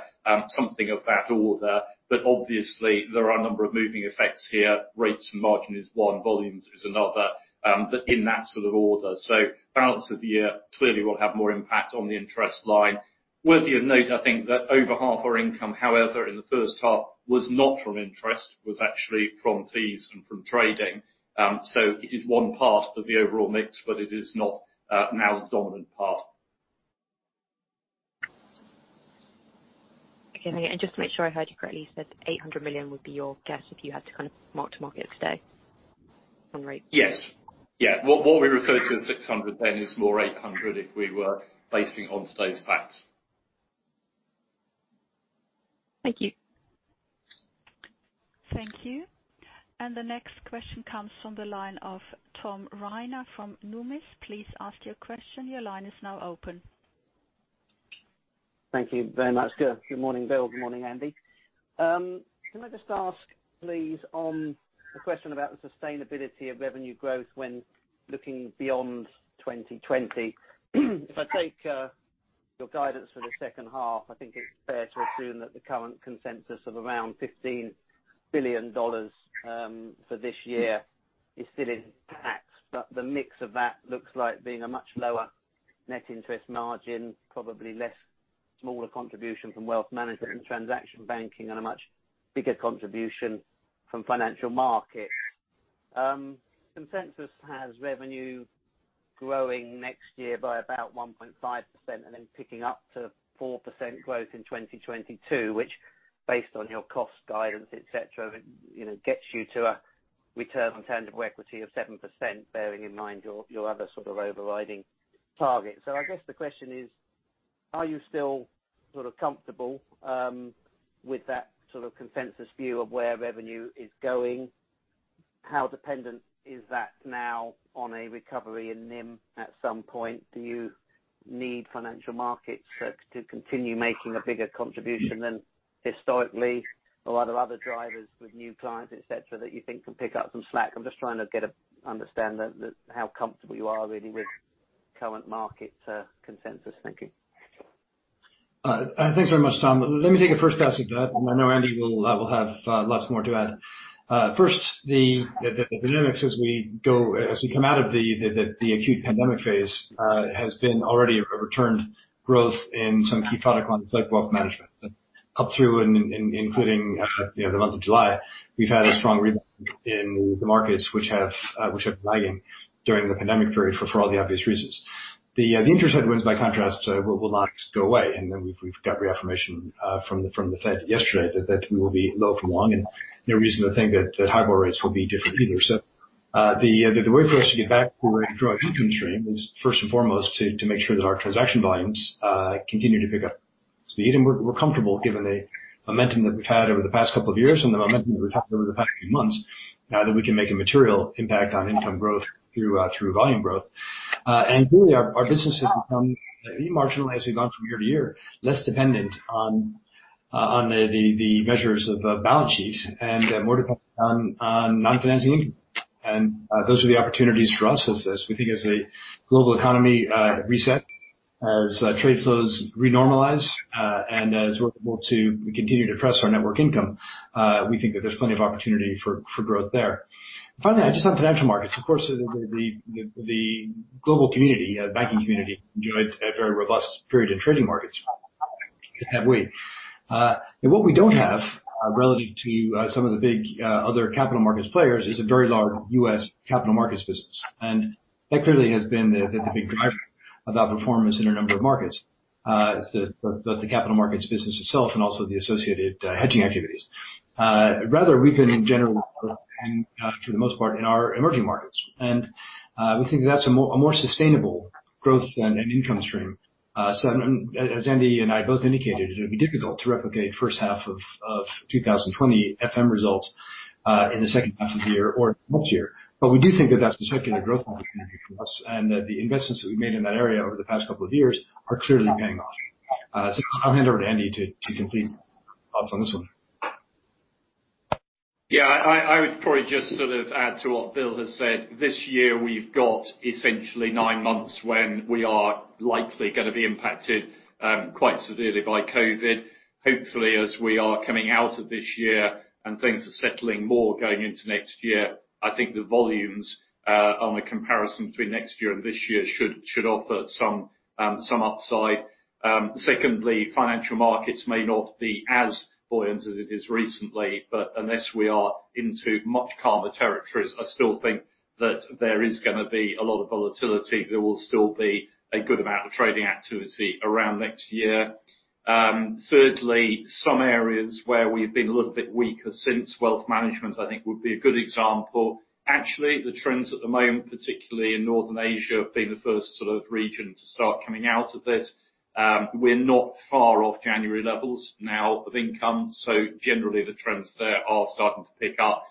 Something of that order. Obviously there are a number of moving effects here. Rates and margin is one, volumes is another. In that sort of order. Balance of the year clearly will have more impact on the interest line. Worthy of note, I think that over half our income, however, in the H1 was not from interest, was actually from fees and from trading. It is one part of the overall mix, but it is not now the dominant part. Okay. Just to make sure I heard you correctly, you said $800 million would be your guess if you had to kind of mark to market today on rates? Yes. Yeah. What we referred to as $600 million then is more $800 million if we were basing on today's facts. Thank you. Thank you. The next question comes from the line of Tom Rayner from Numis. Please ask your question. Your line is now open. Thank you very much. Good morning, Bill. Good morning, Andy. Can I just ask, please, on the question about the sustainability of revenue growth when looking beyond 2020. If I take your guidance for the H2, I think it's fair to assume that the current consensus of around $15 billion for this year is still intact. The mix of that looks like being a much lower net interest margin, probably less smaller contribution from wealth management and transaction banking, and a much bigger contribution from financial markets. Consensus has revenue growing next year by about 1.5% and then picking up to 4% growth in 2022, which based on your cost guidance, et cetera, gets you to a return on tangible equity of 7%, bearing in mind your other sort of overriding target. I guess the question is, are you still comfortable with that consensus view of where revenue is going? How dependent is that now on a recovery in NIM at some point? Do you need financial markets to continue making a bigger contribution than historically? Are there other drivers with new clients, et cetera, that you think can pick up some slack? I'm just trying to get an understanding how comfortable you are really with current market consensus thinking. Thanks very much, Tom. Let me take a first pass at that, and I know Andy will have lots more to add. First, the dynamics as we come out of the acute pandemic phase has been already a returned growth in some key product lines like wealth management. Up through and including the month of July, we've had a strong rebound in the markets, which have been lagging during the pandemic period for all the obvious reasons. The interest headwinds, by contrast, will not go away, and then we've got reaffirmation from the Fed yesterday that we will be low for long, and no reason to think that HIBOR rates will be different either. The way for us to get back to growing income stream is first and foremost to make sure that our transaction volumes continue to pick up speed. We're comfortable given the momentum that we've had over the past couple of years and the momentum that we've had over the past few months, now that we can make a material impact on income growth through volume growth. Really, our business has become de-marginalized as we've gone from year to year, less dependent on the measures of balance sheet and more dependent on non-financing income. Those are the opportunities for us as we think as a global economy reset, as trade flows re-normalize, and as we're able to continue to press our network income. We think that there's plenty of opportunity for growth there. Finally, just on financial markets, of course, the global community, the banking community, enjoyed a very robust period in trading markets. Have we? What we don't have, relative to some of the big other capital markets players, is a very large U.S. capital markets business. That clearly has been the big driver of outperformance in a number of markets. It's the capital markets business itself and also the associated hedging activities. Rather, we can in general, and to the most part, in our emerging markets. We think that's a more sustainable growth and income stream. As Andy and I both indicated, it would be difficult to replicate H1 of 2020 FM results, in the H2 of the year or next year. We do think that that's a secular growth opportunity for us, and that the investments that we've made in that area over the past couple of years are clearly paying off. I'll hand over to Andy to complete thoughts on this one. Yeah. I would probably just add to what Bill has said. This year, we've got essentially nine months when we are likely going to be impacted quite severely by COVID. Hopefully, as we are coming out of this year and things are settling more going into next year, I think the volumes on a comparison between next year and this year should offer some upside. Secondly, financial markets may not be as buoyant as it is recently, but unless we are into much calmer territories, I still think that there is going to be a lot of volatility. There will still be a good amount of trading activity around next year. Thirdly, some areas where we've been a little bit weaker since wealth management, I think would be a good example. Actually, the trends at the moment, particularly in Northern Asia, have been the first region to start coming out of this. We're not far off January levels now of income. Generally, the trends there are starting to pick up.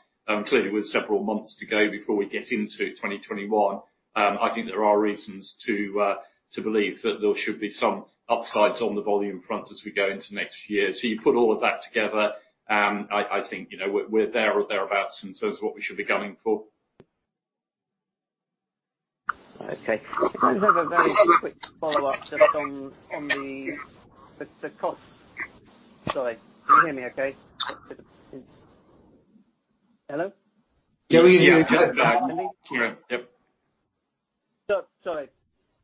Clearly, with several months to go before we get into 2021, I think there are reasons to believe that there should be some upsides on the volume front as we go into next year. You put all of that together, I think we're there or thereabouts in terms of what we should be going for. Okay. Can I just have a very quick follow-up just on the cost side. Can you hear me okay? Hello? Yeah, we can. Yeah. Sorry.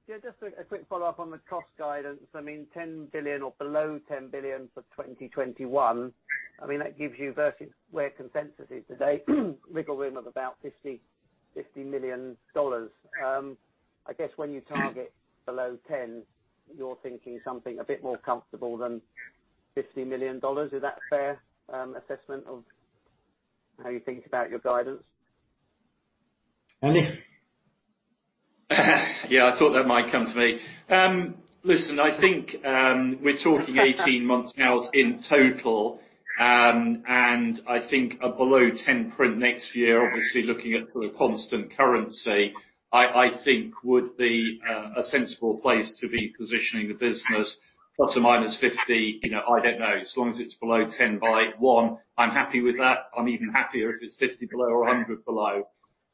Just a quick follow-up on the cost guidance. $10 billion or below $10 billion for 2021. That gives you versus where consensus is today, wiggle room of about $50 million. I guess when you target below $10 billion, you're thinking something a bit more comfortable than $50 million. Is that a fair assessment of how you think about your guidance? Andy? Yeah, I thought that might come to me. Listen, I think we're talking 18 months now in total. I think a below $10 billion print next year, obviously looking at constant currency, I think would be a sensible place to be positioning the business. Plus or minus $50 million, I don't know, as long as it's below $10 billion by one, I'm happy with that. I'm even happier if it's $50 million below or $100 million below.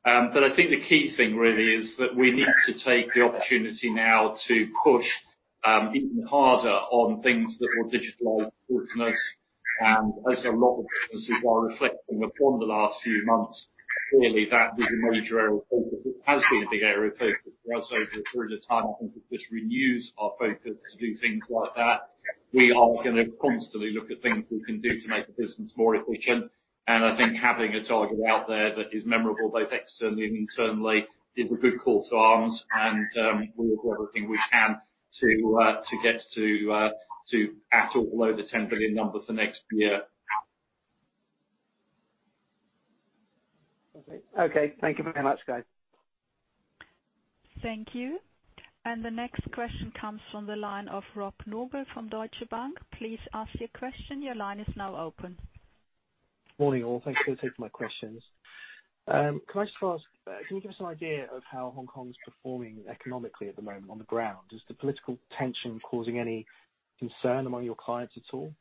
I think the key thing really is that we need to take the opportunity now to push even harder on things that will digitalize the business. As a lot of businesses are reflecting upon the last few months, clearly that is a major area of focus. It has been a big area of focus for us over a period of time. I think it just renews our focus to do things like that. We are going to constantly look at things we can do to make the business more efficient. I think having a target out there that is memorable both externally and internally is a good call to arms. We will do everything we can to get to at or below the $10 billion number for next year. Okay. Thank you very much, guys. Thank you. The next question comes from the line of Rob Noble from Deutsche Bank. Please ask your question. Your line is now open. Morning, all. Thanks for taking my questions. Can I just ask, can you give us an idea of how Hong Kong is performing economically at the moment on the ground? Is the political tension causing any concern among your clients at all?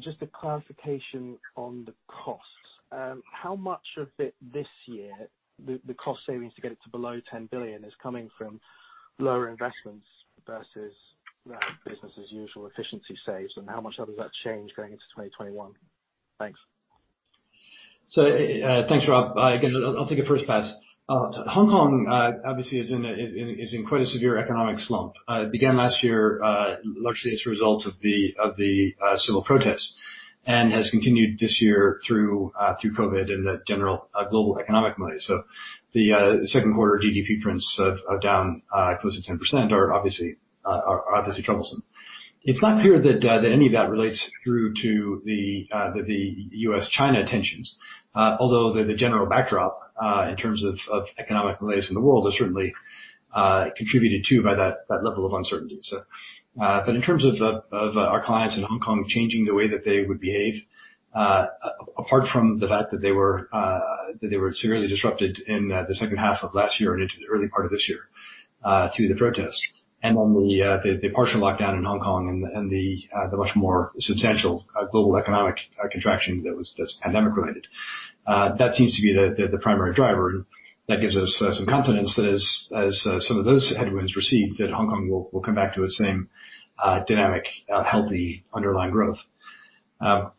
Just a clarification on the costs. How much of it this year, the cost savings to get it to below $10 billion is coming from lower investments versus business as usual efficiency saves and how much does that change going into 2021? Thanks. Thanks, Rob. Again, I'll take a first pass. Hong Kong obviously is in quite a severe economic slump. It began last year largely as a result of the civil protests and has continued this year through COVID and the general global economic malaise. Q2 GDP prints of down close to 10% are obviously troublesome. It's not clear that any of that relates through to the U.S.-China tensions. The general backdrop, in terms of economic malaise in the world, is certainly contributed to by that level of uncertainty. In terms of our clients in Hong Kong changing the way that they would behave, apart from the fact that they were severely disrupted in the H2 of last year and into the early part of this year, through the protests and on the partial lockdown in Hong Kong and the much more substantial global economic contraction that's pandemic related. That seems to be the primary driver. That gives us some confidence that as some of those headwinds recede, that Hong Kong will come back to its same dynamic, healthy underlying growth. Now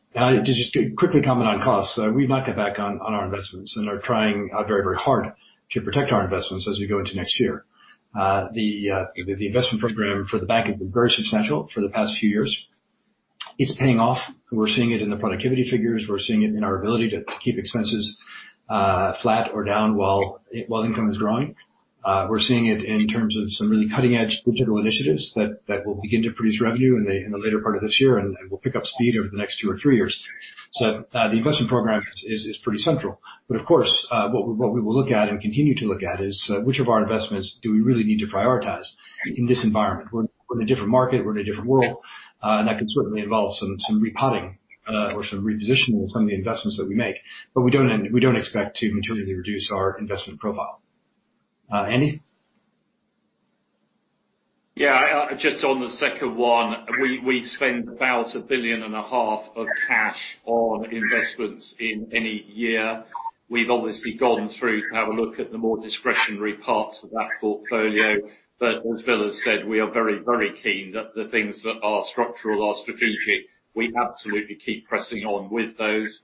just to quickly comment on costs. We've not cut back on our investments and are trying very hard to protect our investments as we go into next year. The investment program for the bank has been very substantial for the past few years. It's paying off. We're seeing it in the productivity figures. We're seeing it in our ability to keep expenses flat or down while income is growing. We're seeing it in terms of some really cutting-edge digital initiatives that will begin to produce revenue in the later part of this year and will pick up speed over the next two or three years. The investment program is pretty central. Of course, what we will look at and continue to look at is which of our investments do we really need to prioritize in this environment. We're in a different market, we're in a different world, and that can certainly involve some repotting or some repositioning of some of the investments that we make. We don't expect to materially reduce our investment profile. Andy? Yeah. Just on the second one, we spend about a $1.5 billion of cash on investments in any year. We've obviously gone through to have a look at the more discretionary parts of that portfolio. As Bill has said, we are very keen that the things that are structural, are strategic, we absolutely keep pressing on with those.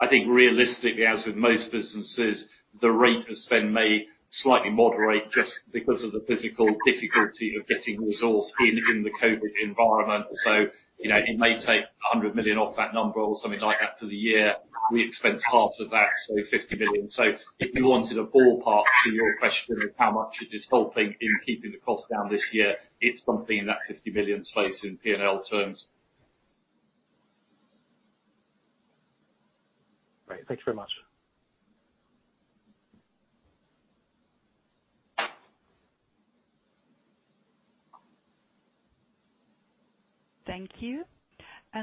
I think realistically, as with most businesses, the rate of spend may slightly moderate just because of the physical difficulty of getting resource in the COVID environment. It may take $100 million off that number or something like that for the year. We expense half of that, so $50 million. If you wanted a ballpark to your question of how much it is helping in keeping the cost down this year, it's something in that $50 million space in P&L terms. Great. Thank you very much. Thank you.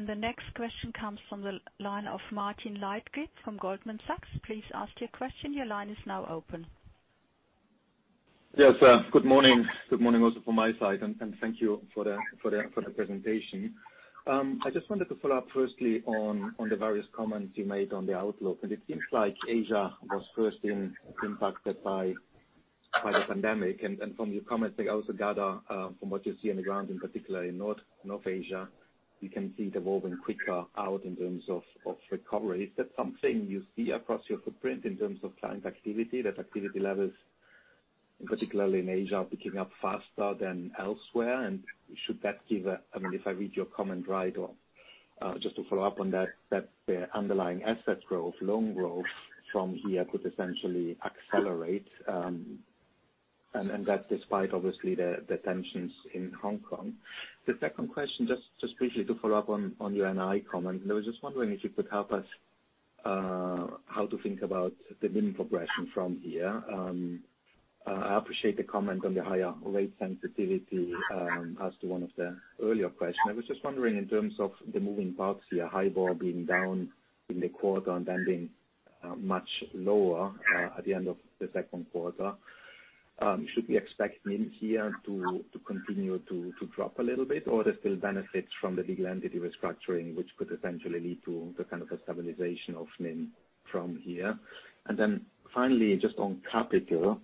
The next question comes from the line of Martin Leitgeb from Goldman Sachs. Please ask your question. Your line is now open. Yes. Good morning. Good morning also from my side, and thank you for the presentation. I just wanted to follow up firstly on the various comments you made on the outlook. It seems like Asia was first impacted by the pandemic. From your comments, I also gather from what you see on the ground, in particular in North Asia, you can see it evolving quicker out in terms of recovery. Is that something you see across your footprint in terms of client activity, that activity levels, particularly in Asia, are picking up faster than elsewhere? Should that give a, if I read your comment right, or just to follow up on that the underlying asset growth, loan growth from here could essentially accelerate. That's despite, obviously, the tensions in Hong Kong. The second question, just briefly to follow up on your NII comment. I was just wondering if you could help us how to think about the NIM progression from here. I appreciate the comment on the higher rate sensitivity as to one of the earlier questions. I was just wondering in terms of the moving parts here, HIBOR being down in the quarter and then being much lower at the end of Q2. Should we expect NIM here to continue to drop a little bit, or are there still benefits from the legal entity restructuring, which could essentially lead to the kind of a stabilization of NIM from here? Finally, just on capital,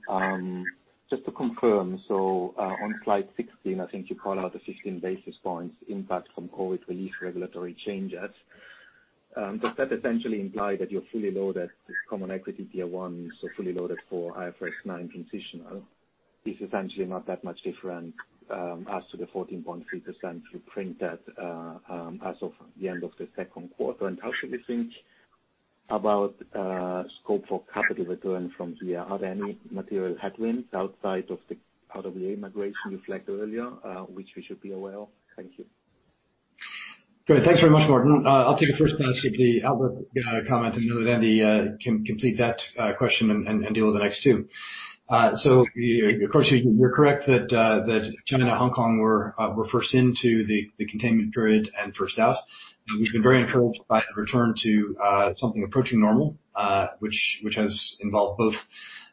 just to confirm. On slide 16, I think you call out the 15 basis points impact from COVID relief regulatory changes. Does that essentially imply that you're fully loaded with common equity tier 1, fully loaded for IFRS 9 transitional? Is essentially not that much different, as to the 14.3% you printed as of the end of Q2. How should we think about scope for capital return from here? Are there any material headwinds outside of the RWA migration you flagged earlier, which we should be aware of? Thank you. Great. Thanks very much, Martin. I'll take the first pass at the earlier comment, know that Andy can complete that question and deal with the next two. Of course, you're correct that China and Hong Kong were first into the containment period and first out. We've been very encouraged by the return to something approaching normal, which has involved both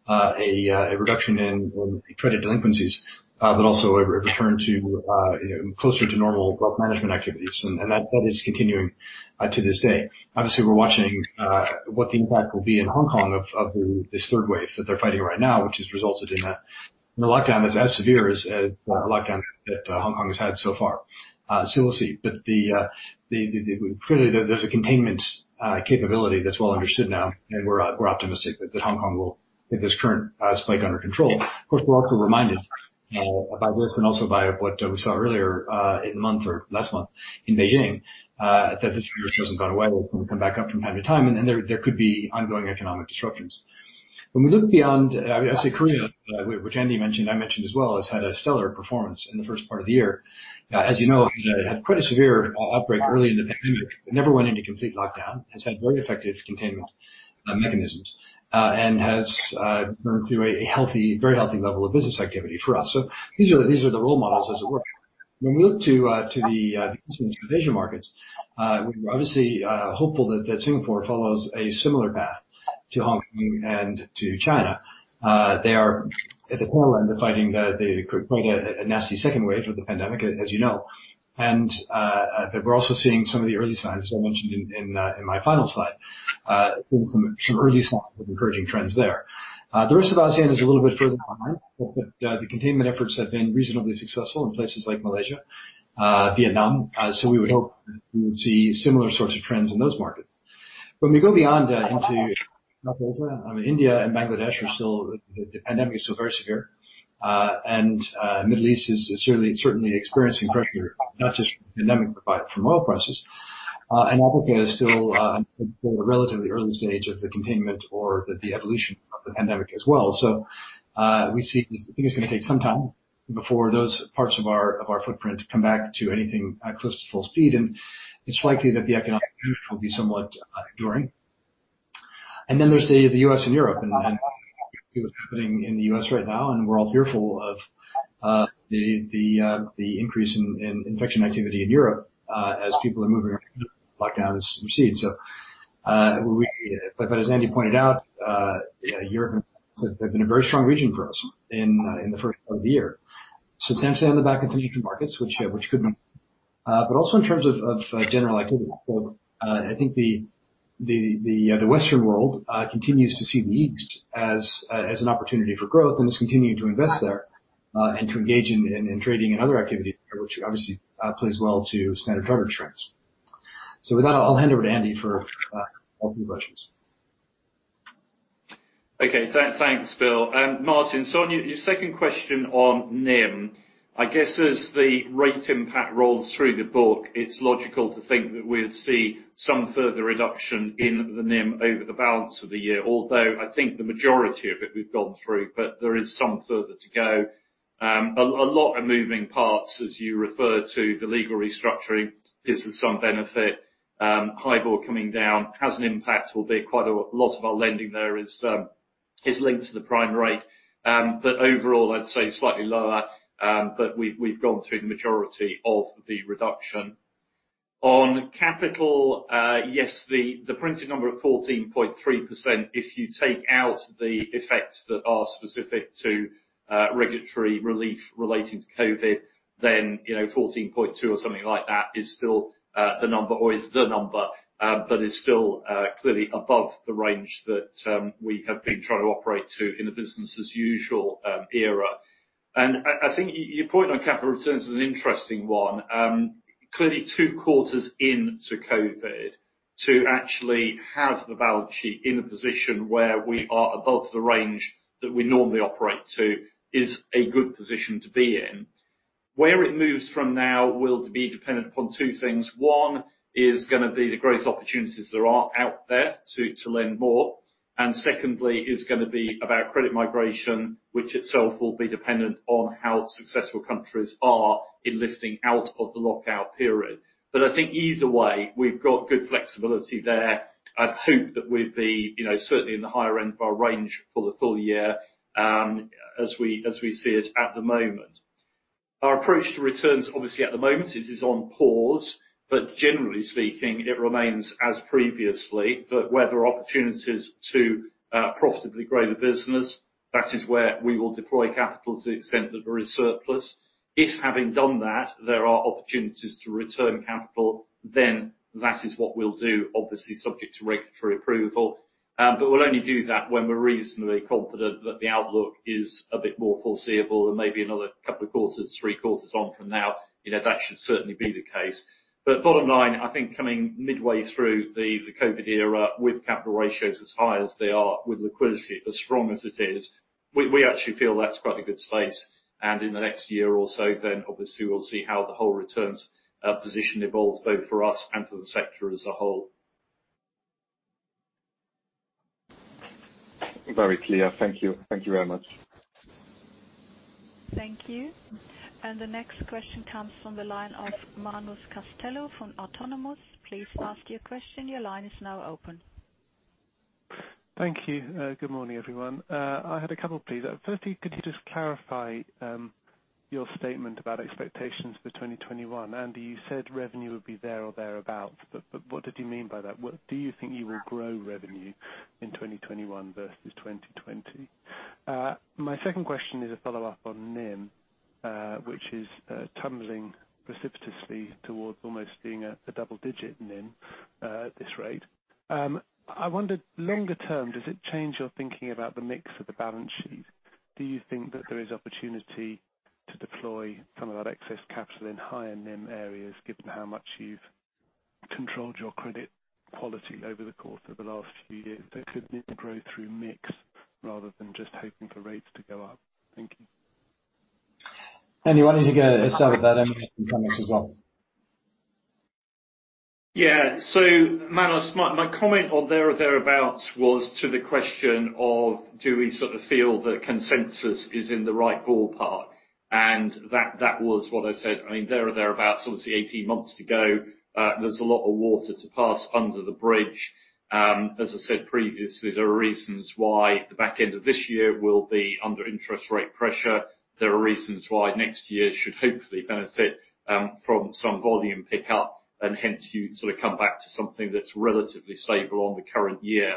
a reduction in credit delinquencies, but also a return closer to normal growth management activities. That is continuing to this day. Obviously, we're watching what the impact will be in Hong Kong of this third wave that they're fighting right now, which has resulted in a lockdown that's as severe as any lockdown that Hong Kong has had so far. We'll see. Clearly, there's a containment capability that's well understood now, and we're optimistic that Hong Kong will get this current spike under control. Of course, we're also reminded by Wuhan, also by what we saw earlier in the month or last month in Beijing, that this virus hasn't gone away. It will come back up from time to time, and there could be ongoing economic disruptions. When we look beyond, obviously, Korea, which Andy mentioned, I mentioned as well, has had a stellar performance in the first part of the year. As you know, it had quite a severe outbreak early in the pandemic. It never went into complete lockdown, has had very effective containment mechanisms, and has burned through a very healthy level of business activity for us. These are the role models as it were. When we look to the Eastern and Southeast Asian markets, we're obviously hopeful that Singapore follows a similar path to Hong Kong and to China. They are at the forefront of fighting quite a nasty second wave of the pandemic, as you know. We're also seeing some of the early signs, as I mentioned in my final slide. Some early signs of encouraging trends there. The rest of ASEAN is a little bit further behind, but the containment efforts have been reasonably successful in places like Malaysia, Vietnam. We would hope that we would see similar sorts of trends in those markets. When we go beyond into South Asia, India and Bangladesh, the pandemic is still very severe. Middle East is certainly experiencing pressure, not just from the pandemic, but from oil prices. Africa is still in a relatively early stage of the containment or the evolution of the pandemic as well. We think it's going to take some time before those parts of our footprint come back to anything close to full speed, and it's likely that the economic conditions will be somewhat enduring. Then there's the U.S. and Europe, and we see what's happening in the U.S. right now, and we're all fearful of the increase in infection activity in Europe as people are moving around, lockdown is recedes. As Andy pointed out, Europe has been a very strong region for us in the H1 of the year, temporarily on the back of the Asian markets, which could be, but also in terms of general activity. I think the Western world continues to see the East as an opportunity for growth and is continuing to invest there, and to engage in trading and other activity there, which obviously plays well to Standard Chartered strengths. With that, I'll hand over to Andy for a few questions. Okay. Thanks, Bill. Martin, on your second question on NIM, I guess as the rate impact rolls through the book, it's logical to think that we'll see some further reduction in the NIM over the balance of the year, although I think the majority of it we've gone through, but there is some further to go. A lot of moving parts, as you refer to the legal restructuring, gives us some benefit. HIBOR coming down has an impact, will be quite a lot of our lending there is linked to the prime rate. Overall, I'd say slightly lower, but we've gone through the majority of the reduction. On capital, yes, the printed number of 14.3%, if you take out the effects that are specific to regulatory relief relating to COVID, then 14.2% or something like that is still the number, but is still clearly above the range that we have been trying to operate to in a business as usual era. I think your point on capital returns is an interesting one. Clearly two quarters into COVID, to actually have the balance sheet in a position where we are above the range that we normally operate to is a good position to be in. Where it moves from now will be dependent upon two things. One is going to be the growth opportunities there are out there to lend more. Secondly, is going to be about credit migration, which itself will be dependent on how successful countries are in lifting out of the lockout period. I think either way, we've got good flexibility there. I'd hope that we'd be certainly in the higher end of our range for the full year as we see it at the moment. Our approach to returns, obviously at the moment it is on pause. Generally speaking, it remains as previously, that where there are opportunities to profitably grow the business, that is where we will deploy capital to the extent that there is surplus. If having done that, there are opportunities to return capital, then that is what we'll do, obviously subject to regulatory approval. We'll only do that when we're reasonably confident that the outlook is a bit more foreseeable than maybe another couple of quarters, three quarters on from now. That should certainly be the case. Bottom line, I think coming midway through the COVID era with capital ratios as high as they are, with liquidity as strong as it is, we actually feel that's quite a good space. In the next year or so, obviously we'll see how the whole returns position evolves both for us and for the sector as a whole. Very clear. Thank you. Thank you very much. Thank you. The next question comes from the line of Manus Costello from Autonomous. Please ask your question. Your line is now open. Thank you. Good morning, everyone. I had a couple, please. Firstly, could you just clarify your statement about expectations for 2021? Andy, you said revenue would be there or thereabout. What did you mean by that? Do you think you will grow revenue in 2021 versus 2020? My second question is a follow-up on NIM, which is tumbling precipitously towards almost being a double-digit NIM at this rate. I wondered longer term, does it change your thinking about the mix of the balance sheet? Do you think that there is opportunity to deploy some of that excess capital in higher NIM areas, given how much you've controlled your credit policy over the course of the last few years? Could NIM grow through mix rather than just hoping for rates to go up? Thank you. Andy, why don't you get a stab at that and then Tom as well. Yeah. Manus, my comment on there or thereabouts was to the question of do we sort of feel the consensus is in the right ballpark? That was what I said. There or thereabouts, obviously 18 months to go. There's a lot of water to pass under the bridge. As I said previously, there are reasons why the back end of this year will be under interest rate pressure. There are reasons why next year should hopefully benefit from some volume pickup, and hence you sort of come back to something that's relatively stable on the current year.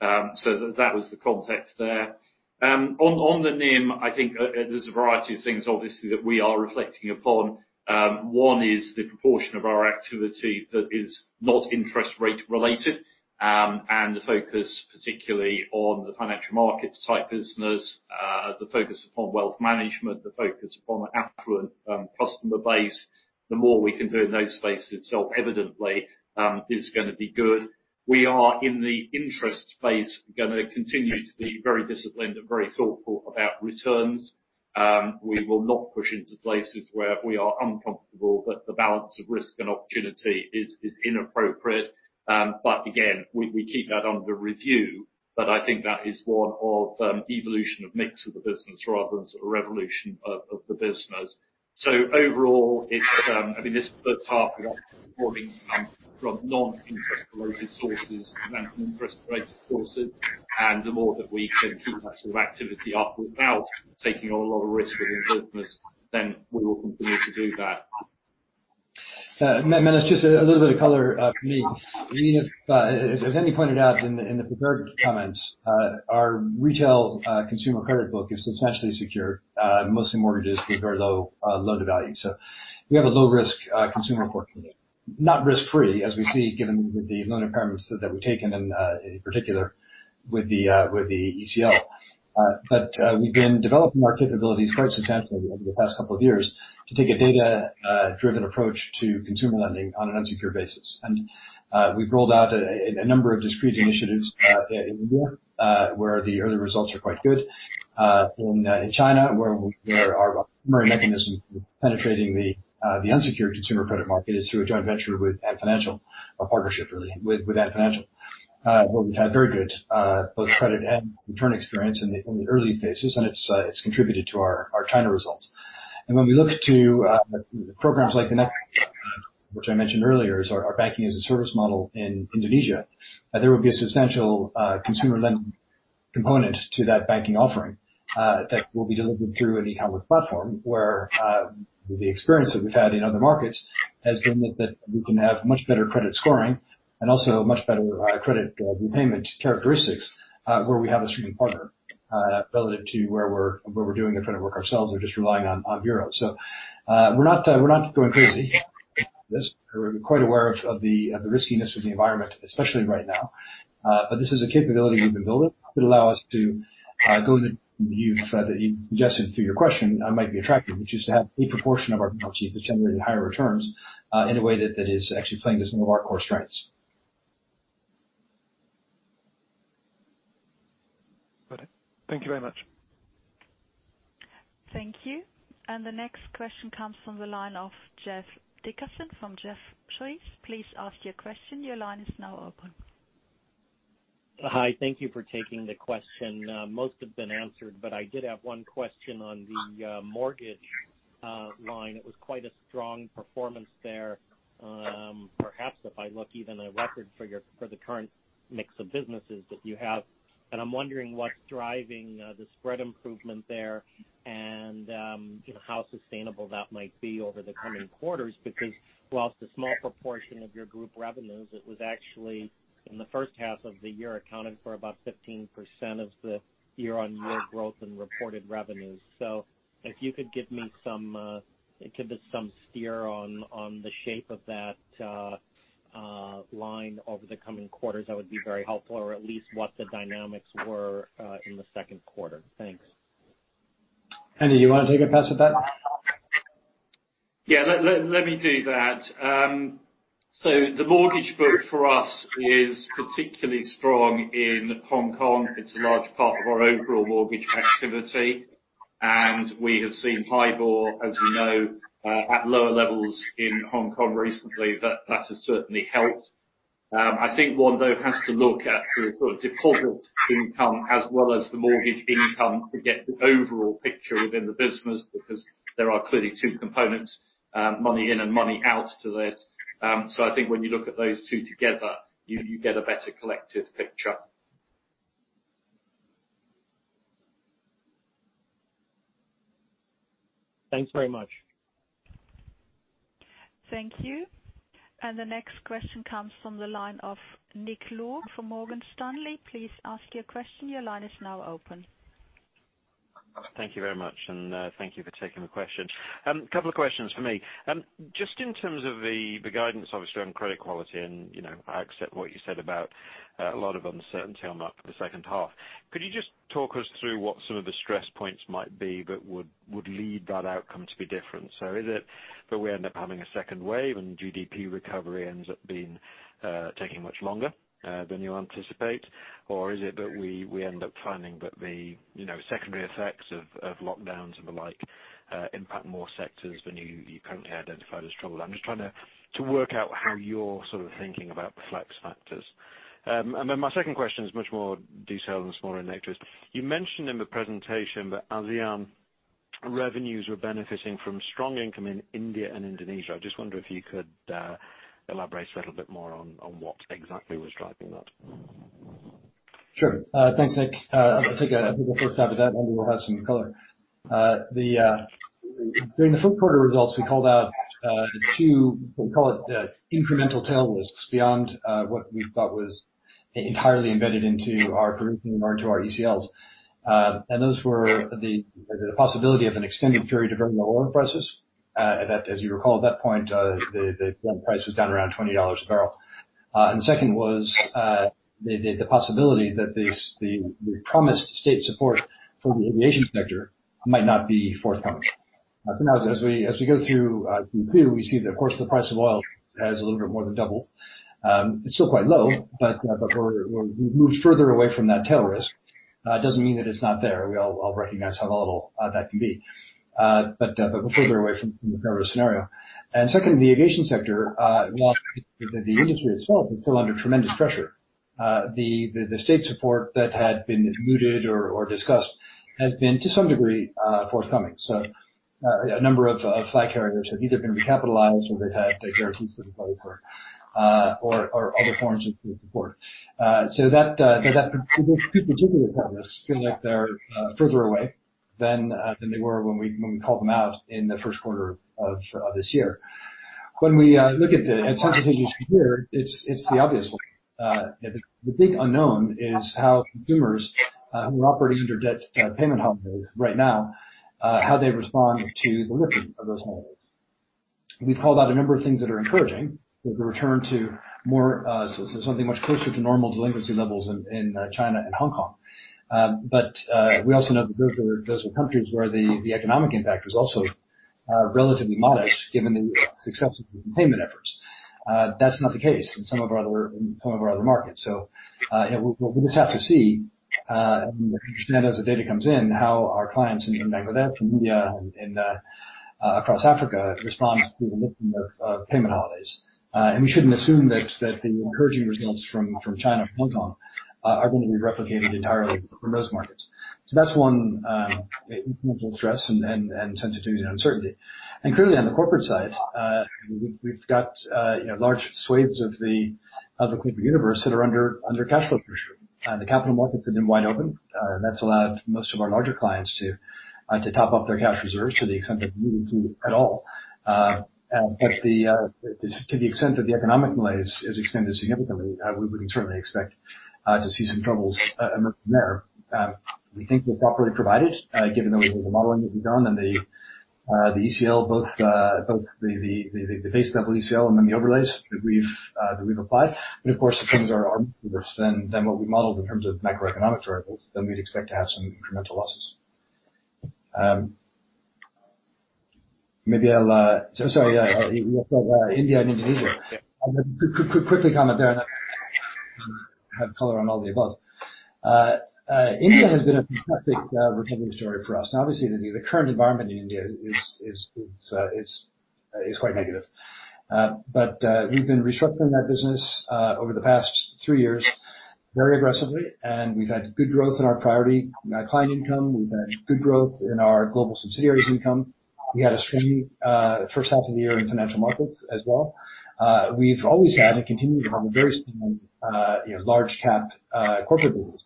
That was the context there. On the NIM, I think there's a variety of things, obviously, that we are reflecting upon. One is the proportion of our activity that is not interest rate related, the focus particularly on the financial markets type business, the focus upon wealth management, the focus upon affluent customer base. The more we can do in those spaces itself, evidently, is going to be good. We are in the interest space, going to continue to be very disciplined and very thoughtful about returns. We will not push into places where we are uncomfortable, that the balance of risk and opportunity is inappropriate. Again, we keep that under review. I think that is one of evolution of mix of the business rather than sort of revolution of the business. Overall, this H1 we got performing from non-interest related sources than interest related sources. The more that we can keep that sort of activity up without taking on a lot of risk within the business, then we will continue to do that. Manus, just a little bit of color from me. As Andy pointed out in the prepared comments, our retail consumer credit book is substantially secure, mostly mortgages with very low loan to value. We have a low risk consumer portfolio, not risk-free, as we see given the loan impairments that we've taken in particular with the ECL. We've been developing our capabilities quite substantially over the past couple of years to take a data-driven approach to consumer lending on an unsecured basis. We've rolled out a number of discrete initiatives in Europe, where the early results are quite good. In China, where our primary mechanism for penetrating the unsecured consumer credit market is through a joint venture with Ant Financial, a partnership really with Ant Financial, where we've had very good both credit and return experience in the early phases, and it's contributed to our China results. When we look to the programs like the....... Which I mentioned earlier, is our Banking as a Service model in Indonesia. There will be a substantial consumer lending component to that banking offering that will be delivered through an e-commerce platform, where the experience that we've had in other markets has been that we can have much better credit scoring and also much better credit repayment characteristics where we have a streaming partner relative to where we're doing the credit work ourselves or just relying on bureaus. We're not going crazy with this. We're quite aware of the riskiness of the environment, especially right now. This is a capability we've been building that allow us to go into..... You suggested through your question might be attractive, which is to have a proportion of our balance sheet that's generating higher returns in a way that is actually playing to some of our core strengths. Thank you very much. Thank you. The next question comes from the line of Joe Dickerson from Jefferies. Please ask your question. Your line is now open. Hi. Thank you for taking the question. Most have been answered, I did have one question on the mortgage line. It was quite a strong performance there. Perhaps if I look even a record for the current mix of businesses that you have, I'm wondering what's driving the spread improvement there and how sustainable that might be over the coming quarters. Whilst a small proportion of your group revenues, it was actually in the H1 of the year accounted for about 15% of the year-on-year growth in reported revenues. If you could give us some steer on the shape of that line over the coming quarters, that would be very helpful. At least what the dynamics were in Q2. Thanks. Andy, do you want to take a pass at that? Yeah, let me do that. The mortgage book for us is particularly strong in Hong Kong. It's a large part of our overall mortgage activity, and we have seen HIBOR, as you know, at lower levels in Hong Kong recently. That has certainly helped. I think one, though, has to look at the sort of deposit income as well as the mortgage income to get the overall picture within the business, because there are clearly two components, money in and money out to this. I think when you look at those two together, you get a better collective picture. Thanks very much. Thank you. The next question comes from the line of Nick Lord from Morgan Stanley. Please ask your question. Your line is now open. Thank you very much. Thank you for taking the question. Couple of questions for me. Just in terms of the guidance, obviously, on credit quality, and I accept what you said about a lot of uncertainty on that for the H2. Could you just talk us through what some of the stress points might be that would lead that outcome to be different? Is it that we end up having a second wave and GDP recovery ends up taking much longer than you anticipate? Is it that we end up finding that the secondary effects of lockdowns and the like impact more sectors than you currently identified as troubled? I'm just trying to work out how you're sort of thinking about the flex factors. My second question is much more detailed and smaller in nature. You mentioned in the presentation that ASEAN revenues were benefiting from strong income in India and Indonesia. I just wonder if you could elaborate a little bit more on what exactly was driving that. Sure. Thanks, Nick. I'll take a first stab at that, then we'll have some color. During the Q4 results, we called out two, we call it incremental tail risks, beyond what we thought was entirely embedded into our provisioning in regard to our ECLs. Those were the possibility of an extended period of very low oil prices. As you recall, at that point the oil price was down around $20 a barrel. Second was the possibility that the promised state support for the aviation sector might not be forthcoming. For now, as we go through Q2, we see that, of course, the price of oil has a little bit more than doubled. It's still quite low, but we've moved further away from that tail risk. It doesn't mean that it's not there. We all recognize how volatile that can be. We're further away from the current scenario. Second, the aviation sector, whilst the industry itself is still under tremendous pressure, the state support that had been mooted or discussed has been to some degree forthcoming. A number of flight carriers have either been recapitalized or they've had guarantees for deposits or other forms of support. Those two particular tail risks feel like they're further away than they were when we called them out in Q1 of this year. When we look at the sensitivities this year, it's the obvious one. The big unknown is how consumers who are operating under debt payment holidays right now, how they respond to the lifting of those holidays. We've called out a number of things that are encouraging. We've returned to something much closer to normal delinquency levels in China and Hong Kong. We also know that those were countries where the economic impact was also relatively modest given the success of the repayment efforts. That's not the case in some of our other markets. We'll just have to see, and understand as the data comes in, how our clients in Bangladesh and India and across Africa respond to the lifting of payment holidays. We shouldn't assume that the encouraging results from China and Hong Kong are going to be replicated entirely from those markets. That's one incremental stress and sensitivity and uncertainty. Clearly on the corporate side, we've got large swathes of the corporate universe that are under cash flow pressure. The capital markets have been wide open. That's allowed most of our larger clients to top up their cash reserves to the extent that they needed to at all. To the extent that the economic malaise is extended significantly, we would certainly expect to see some troubles emerge from there. We think we're properly provided, given the modeling that we've done and the ECL, both the base level ECL and then the overlays that we've applied. Of course, if things are worse than what we modeled in terms of macroeconomic variables, then we'd expect to have some incremental losses. Sorry. You asked about India and Indonesia. Yeah. I'm going to quickly comment there, and then have color on all the above. India has been a fantastic recovery story for us. Obviously, the current environment in India is quite negative. We've been restructuring that business over the past three years very aggressively, and we've had good growth in our priority client income. We've had good growth in our global subsidiaries income. We had a strong H1 of the year in financial markets as well. We've always had and continue to have a very strong large cap corporate business.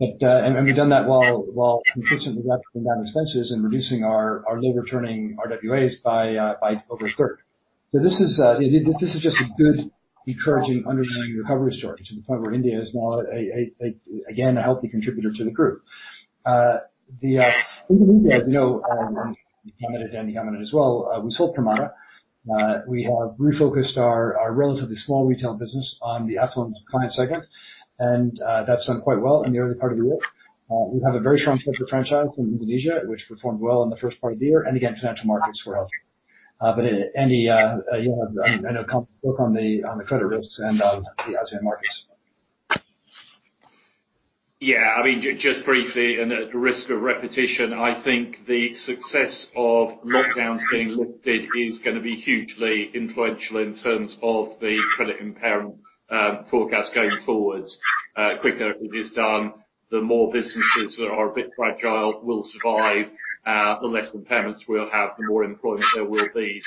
We've done that while consistently ratcheting down expenses and reducing our low returning RWAs by over a third. This is just a good, encouraging underlying recovery story to the point where India is now, again, a healthy contributor to the group. Indonesia, as you know, and you commented, Andy commented as well, we sold Permata. We have refocused our relatively small retail business on the affluent client segment, and that's done quite well in the early part of the year. We have a very strong corporate franchise in Indonesia, which performed well in the first part of the year. Again, financial markets were healthy. Andy, you have more color on the credit risks and on the ASEAN markets. Yeah. Just briefly, at risk of repetition, I think the success of lockdowns being lifted is going to be hugely influential in terms of the credit impairment forecast going forward. The quicker it is done, the more businesses that are a bit fragile will survive, the less impairments we'll have, the more employment there will be.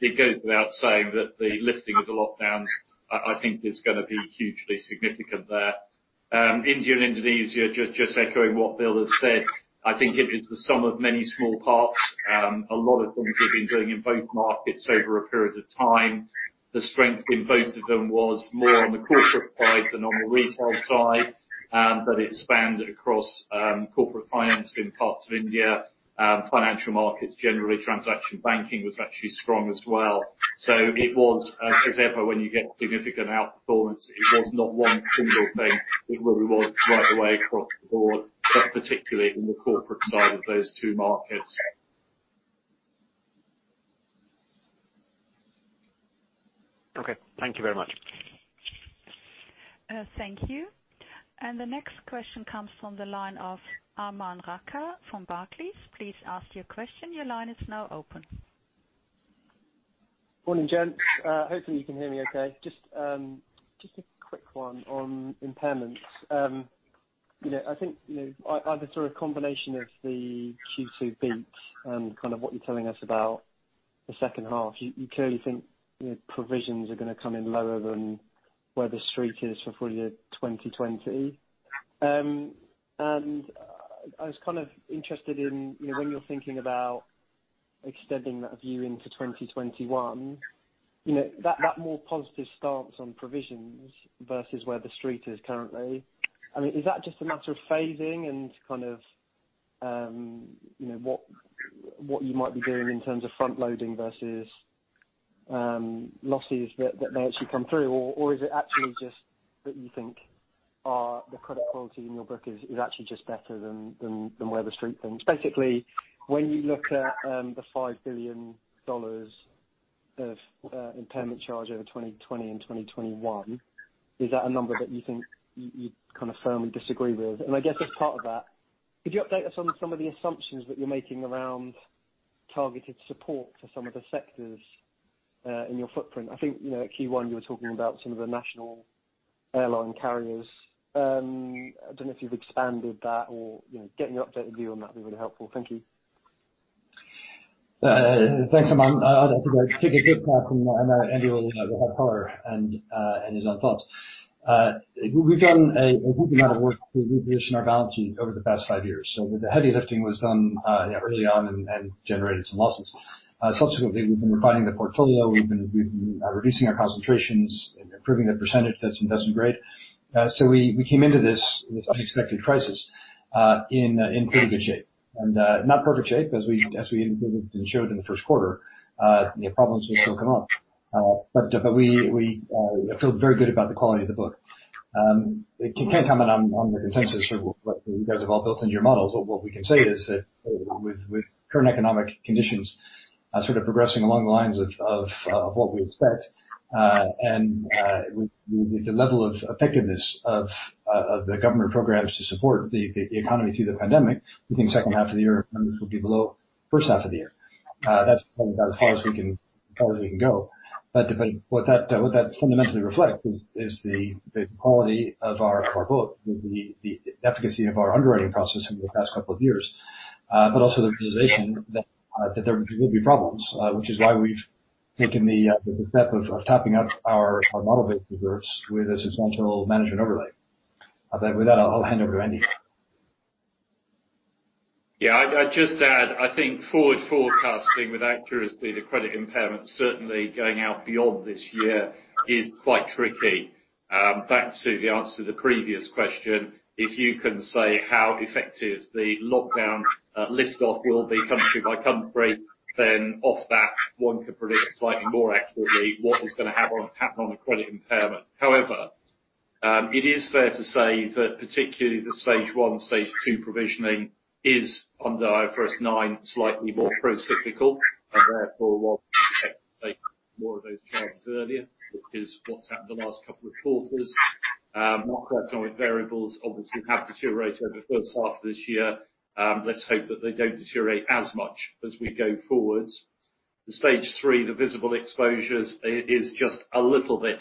It goes without saying that the lifting of the lockdowns, I think, is going to be hugely significant there. India and Indonesia, just echoing what Bill has said, I think it is the sum of many small parts. A lot of things we've been doing in both markets over a period of time. The strength in both of them was more on the corporate side than on the retail side. It spanned across corporate finance in parts of India. Financial markets, generally transaction banking was actually strong as well. It was, as ever, when you get significant outperformance, it was not one single thing. It really was right the way across the board, but particularly in the corporate side of those two markets. Okay. Thank you very much. Thank you. The next question comes from the line of Aman Rakkar from Barclays. Please ask your question. Your line is now open. Morning, gents. Hopefully, you can hear me okay. Just a quick one on impairments. I think, either sort of combination of Q2 beat and kind of what you're telling us about the H2, you clearly think provisions are going to come in lower than where the Street is for full year 2020. I was kind of interested in when you're thinking about extending that view into 2021. That more positive stance on provisions versus where the Street is currently. Is that just a matter of phasing and kind of what you might be doing in terms of front loading versus losses that may actually come through? Is it actually just that you think the credit quality in your book is actually just better than where the Street thinks? Basically, when you look at the $5 billion of impairment charge over 2020 and 2021, is that a number that you think you kind of firmly disagree with? I guess as part of that, could you update us on some of the assumptions that you're making around targeted support for some of the sectors in your footprint? I think at Q1 you were talking about some of the national airline carriers. I don't know if you've expanded that or get an updated view on that would be really helpful. Thank you. Thanks, Aman. I think I take a good crack, and Andy will have color and his own thoughts. We've done a good amount of work to reposition our balance sheet over the past five years. The heavy lifting was done early on and generated some losses. Subsequently, we've been refining the portfolio. We've been reducing our concentrations and improving the percentage that's investment grade. We came into this unexpected crisis in pretty good shape. Not perfect shape as we indicated and showed in Q1. Problems will still come up. We feel very good about the quality of the book. Can't comment on the consensus or what you guys have all built into your models. What we can say is that with current economic conditions sort of progressing along the lines of what we expect. With the level of effectiveness of the government programs to support the economy through the pandemic, we think H2 of the year, earnings will be below H1 of the year. That's probably about as far as we can go. What that fundamentally reflects is the quality of our book with the efficacy of our underwriting process over the past couple of years. Also the realization that there will be problems, which is why we've taken the step of topping up our model-based reserves with a substantial management overlay. I think with that, I'll hand over to Andy. Yeah. I'd just add, I think forward forecasting with accuracy, the credit impairment certainly going out beyond this year is quite tricky. Back to the answer to the previous question, if you can say how effective the lockdown lift-off will be country by country, then off that one could predict slightly more accurately what is going to happen on the credit impairment. It is fair to say that particularly the stage 1, stage 2 provisioning is under IFRS 9, slightly more procyclical, and therefore will take more of those charges earlier, which is what's happened the last couple of quarters. Macroeconomic variables obviously have deteriorated over the H1 of this year. Let's hope that they don't deteriorate as much as we go forwards. The stage 3, the visible exposures, is just a little bit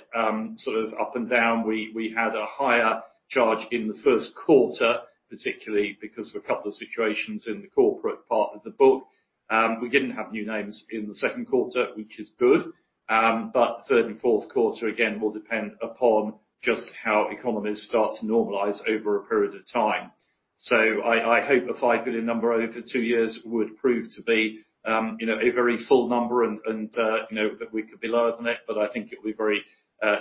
sort of up and down. We had a higher charge in Q1, particularly because of a couple of situations in the corporate part of the book. We didn't have new names in Q2, which is good. Q3 and Q4, again, will depend upon just how economies start to normalize over a period of time. I hope the $5 billion number over two years would prove to be a very full number and that we could be lower than it, but I think it will be very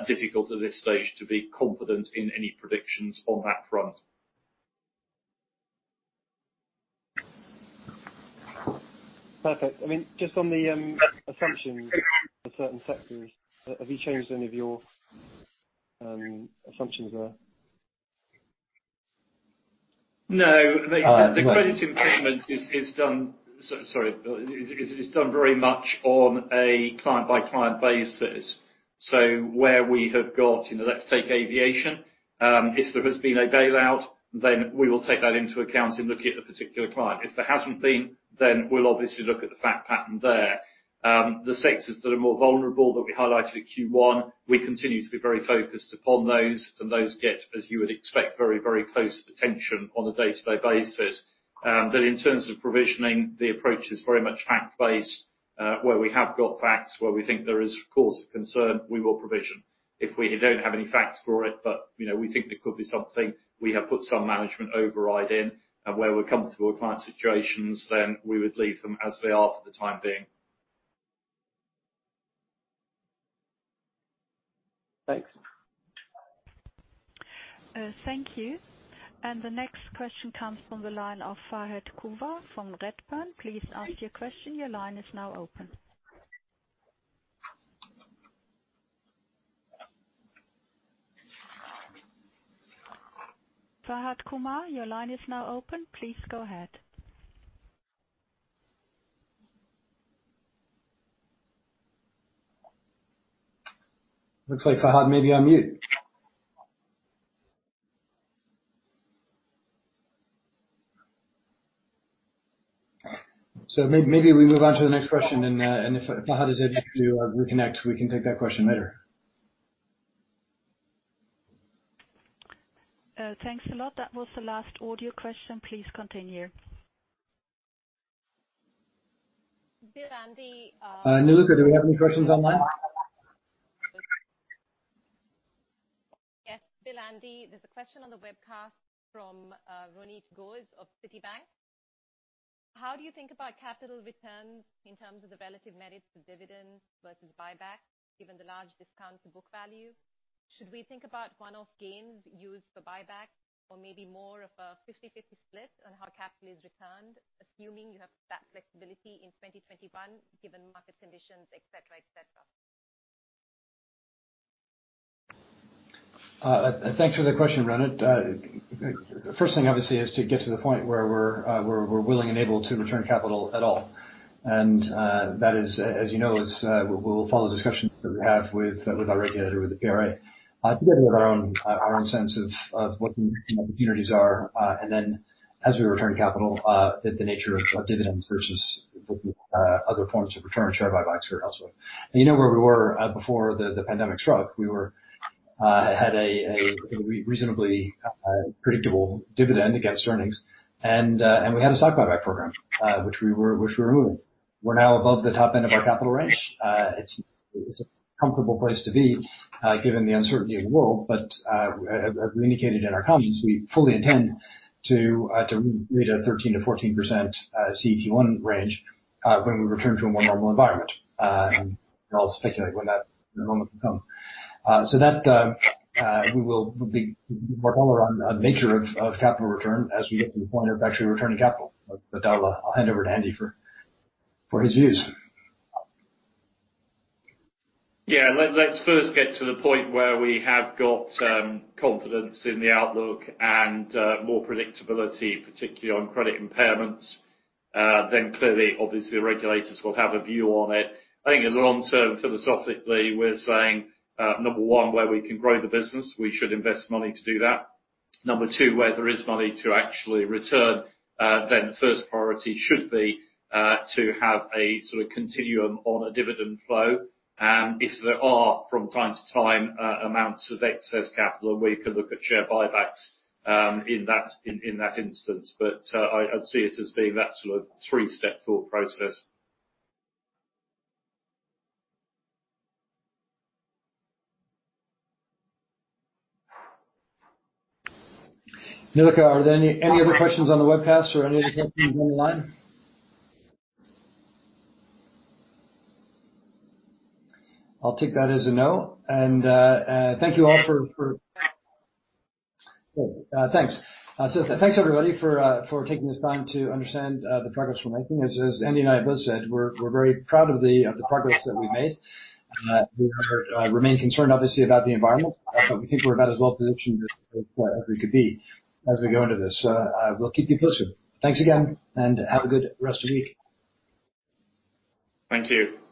difficult at this stage to be confident in any predictions on that front. Perfect. Just on the assumptions for certain sectors, have you changed any of your assumptions there? No. All right. The credit impairment is done very much on a client-by-client basis. Where we have got, let's take aviation, if there has been a bailout, then we will take that into account in looking at the particular client. If there hasn't been, then we'll obviously look at the fact pattern there. The sectors that are more vulnerable that we highlighted at Q1, we continue to be very focused upon those. Those get, as you would expect, very close attention on a day-to-day basis. In terms of provisioning, the approach is very much fact-based. Where we have got facts, where we think there is cause of concern, we will provision. If we don't have any facts for it, but we think there could be something, we have put some management override in. Where we're comfortable with client situations, then we would leave them as they are for the time being. Thanks. Thank you. The next question comes from the line of Fahed Kunwar from Redburn. Please ask your question. Your line is now open. Fahed Kunwar, your line is now open. Please go ahead. Looks like Fahed may be on mute. Maybe we move on to the next question, and if Fahed is able to reconnect, we can take that question later. Thanks a lot. That was the last audio question. Please continue. Bill, Andy. Niluka, do we have any questions online? Yes. Bill, Andy, there's a question on the webcast from Ronit Ghose of Citi. How do you think about capital returns in terms of the relative merits of dividends versus buybacks, given the large discount to book value? Should we think about one-off gains used for buybacks or maybe more of a 50/50 split on how capital is returned, assuming you have that flexibility in 2021, given market conditions, et cetera? Thanks for the question, Ronit. First thing, obviously, is to get to the point where we're willing and able to return capital at all. That is, as you know, we'll follow discussions that we have with our regulator, with the PRA, together with our own sense of what the opportunities are. Then as we return capital, that the nature of dividends versus other forms of return, share buybacks or elsewhere. You know where we were before the pandemic struck. We had a reasonably predictable dividend against earnings, and we had a stock buyback program, which we removed. We're now above the top end of our capital range. It's a comfortable place to be, given the uncertainty of the world. As we indicated in our comms, we fully intend to reach a 13%-14% CET1 range when we return to a more normal environment, and I'll speculate when that moment will come. We will be more color on nature of capital return as we get to the point of actually returning capital. I'll hand over to Andy for his views. Yeah. Let's first get to the point where we have got confidence in the outlook and more predictability, particularly on credit impairments. Clearly, obviously, regulators will have a view on it. I think in the long term, philosophically, we're saying, number one, where we can grow the business, we should invest money to do that. Number two, where there is money to actually return, then first priority should be to have a sort of continuum on a dividend flow. If there are, from time to time, amounts of excess capital, we could look at share buybacks in that instance. I'd see it as being that sort of three-step thought process. Niluka, are there any other questions on the webcast or any other questions on the line? I'll take that as a no. Great. Thanks. Thanks, everybody, for taking this time to understand the progress we're making. As Andy and I both said, we're very proud of the progress that we've made. We remain concerned, obviously, about the environment, but we think we're about as well positioned as we could be as we go into this. We'll keep you posted. Thanks again, and have a good rest of week. Thank you.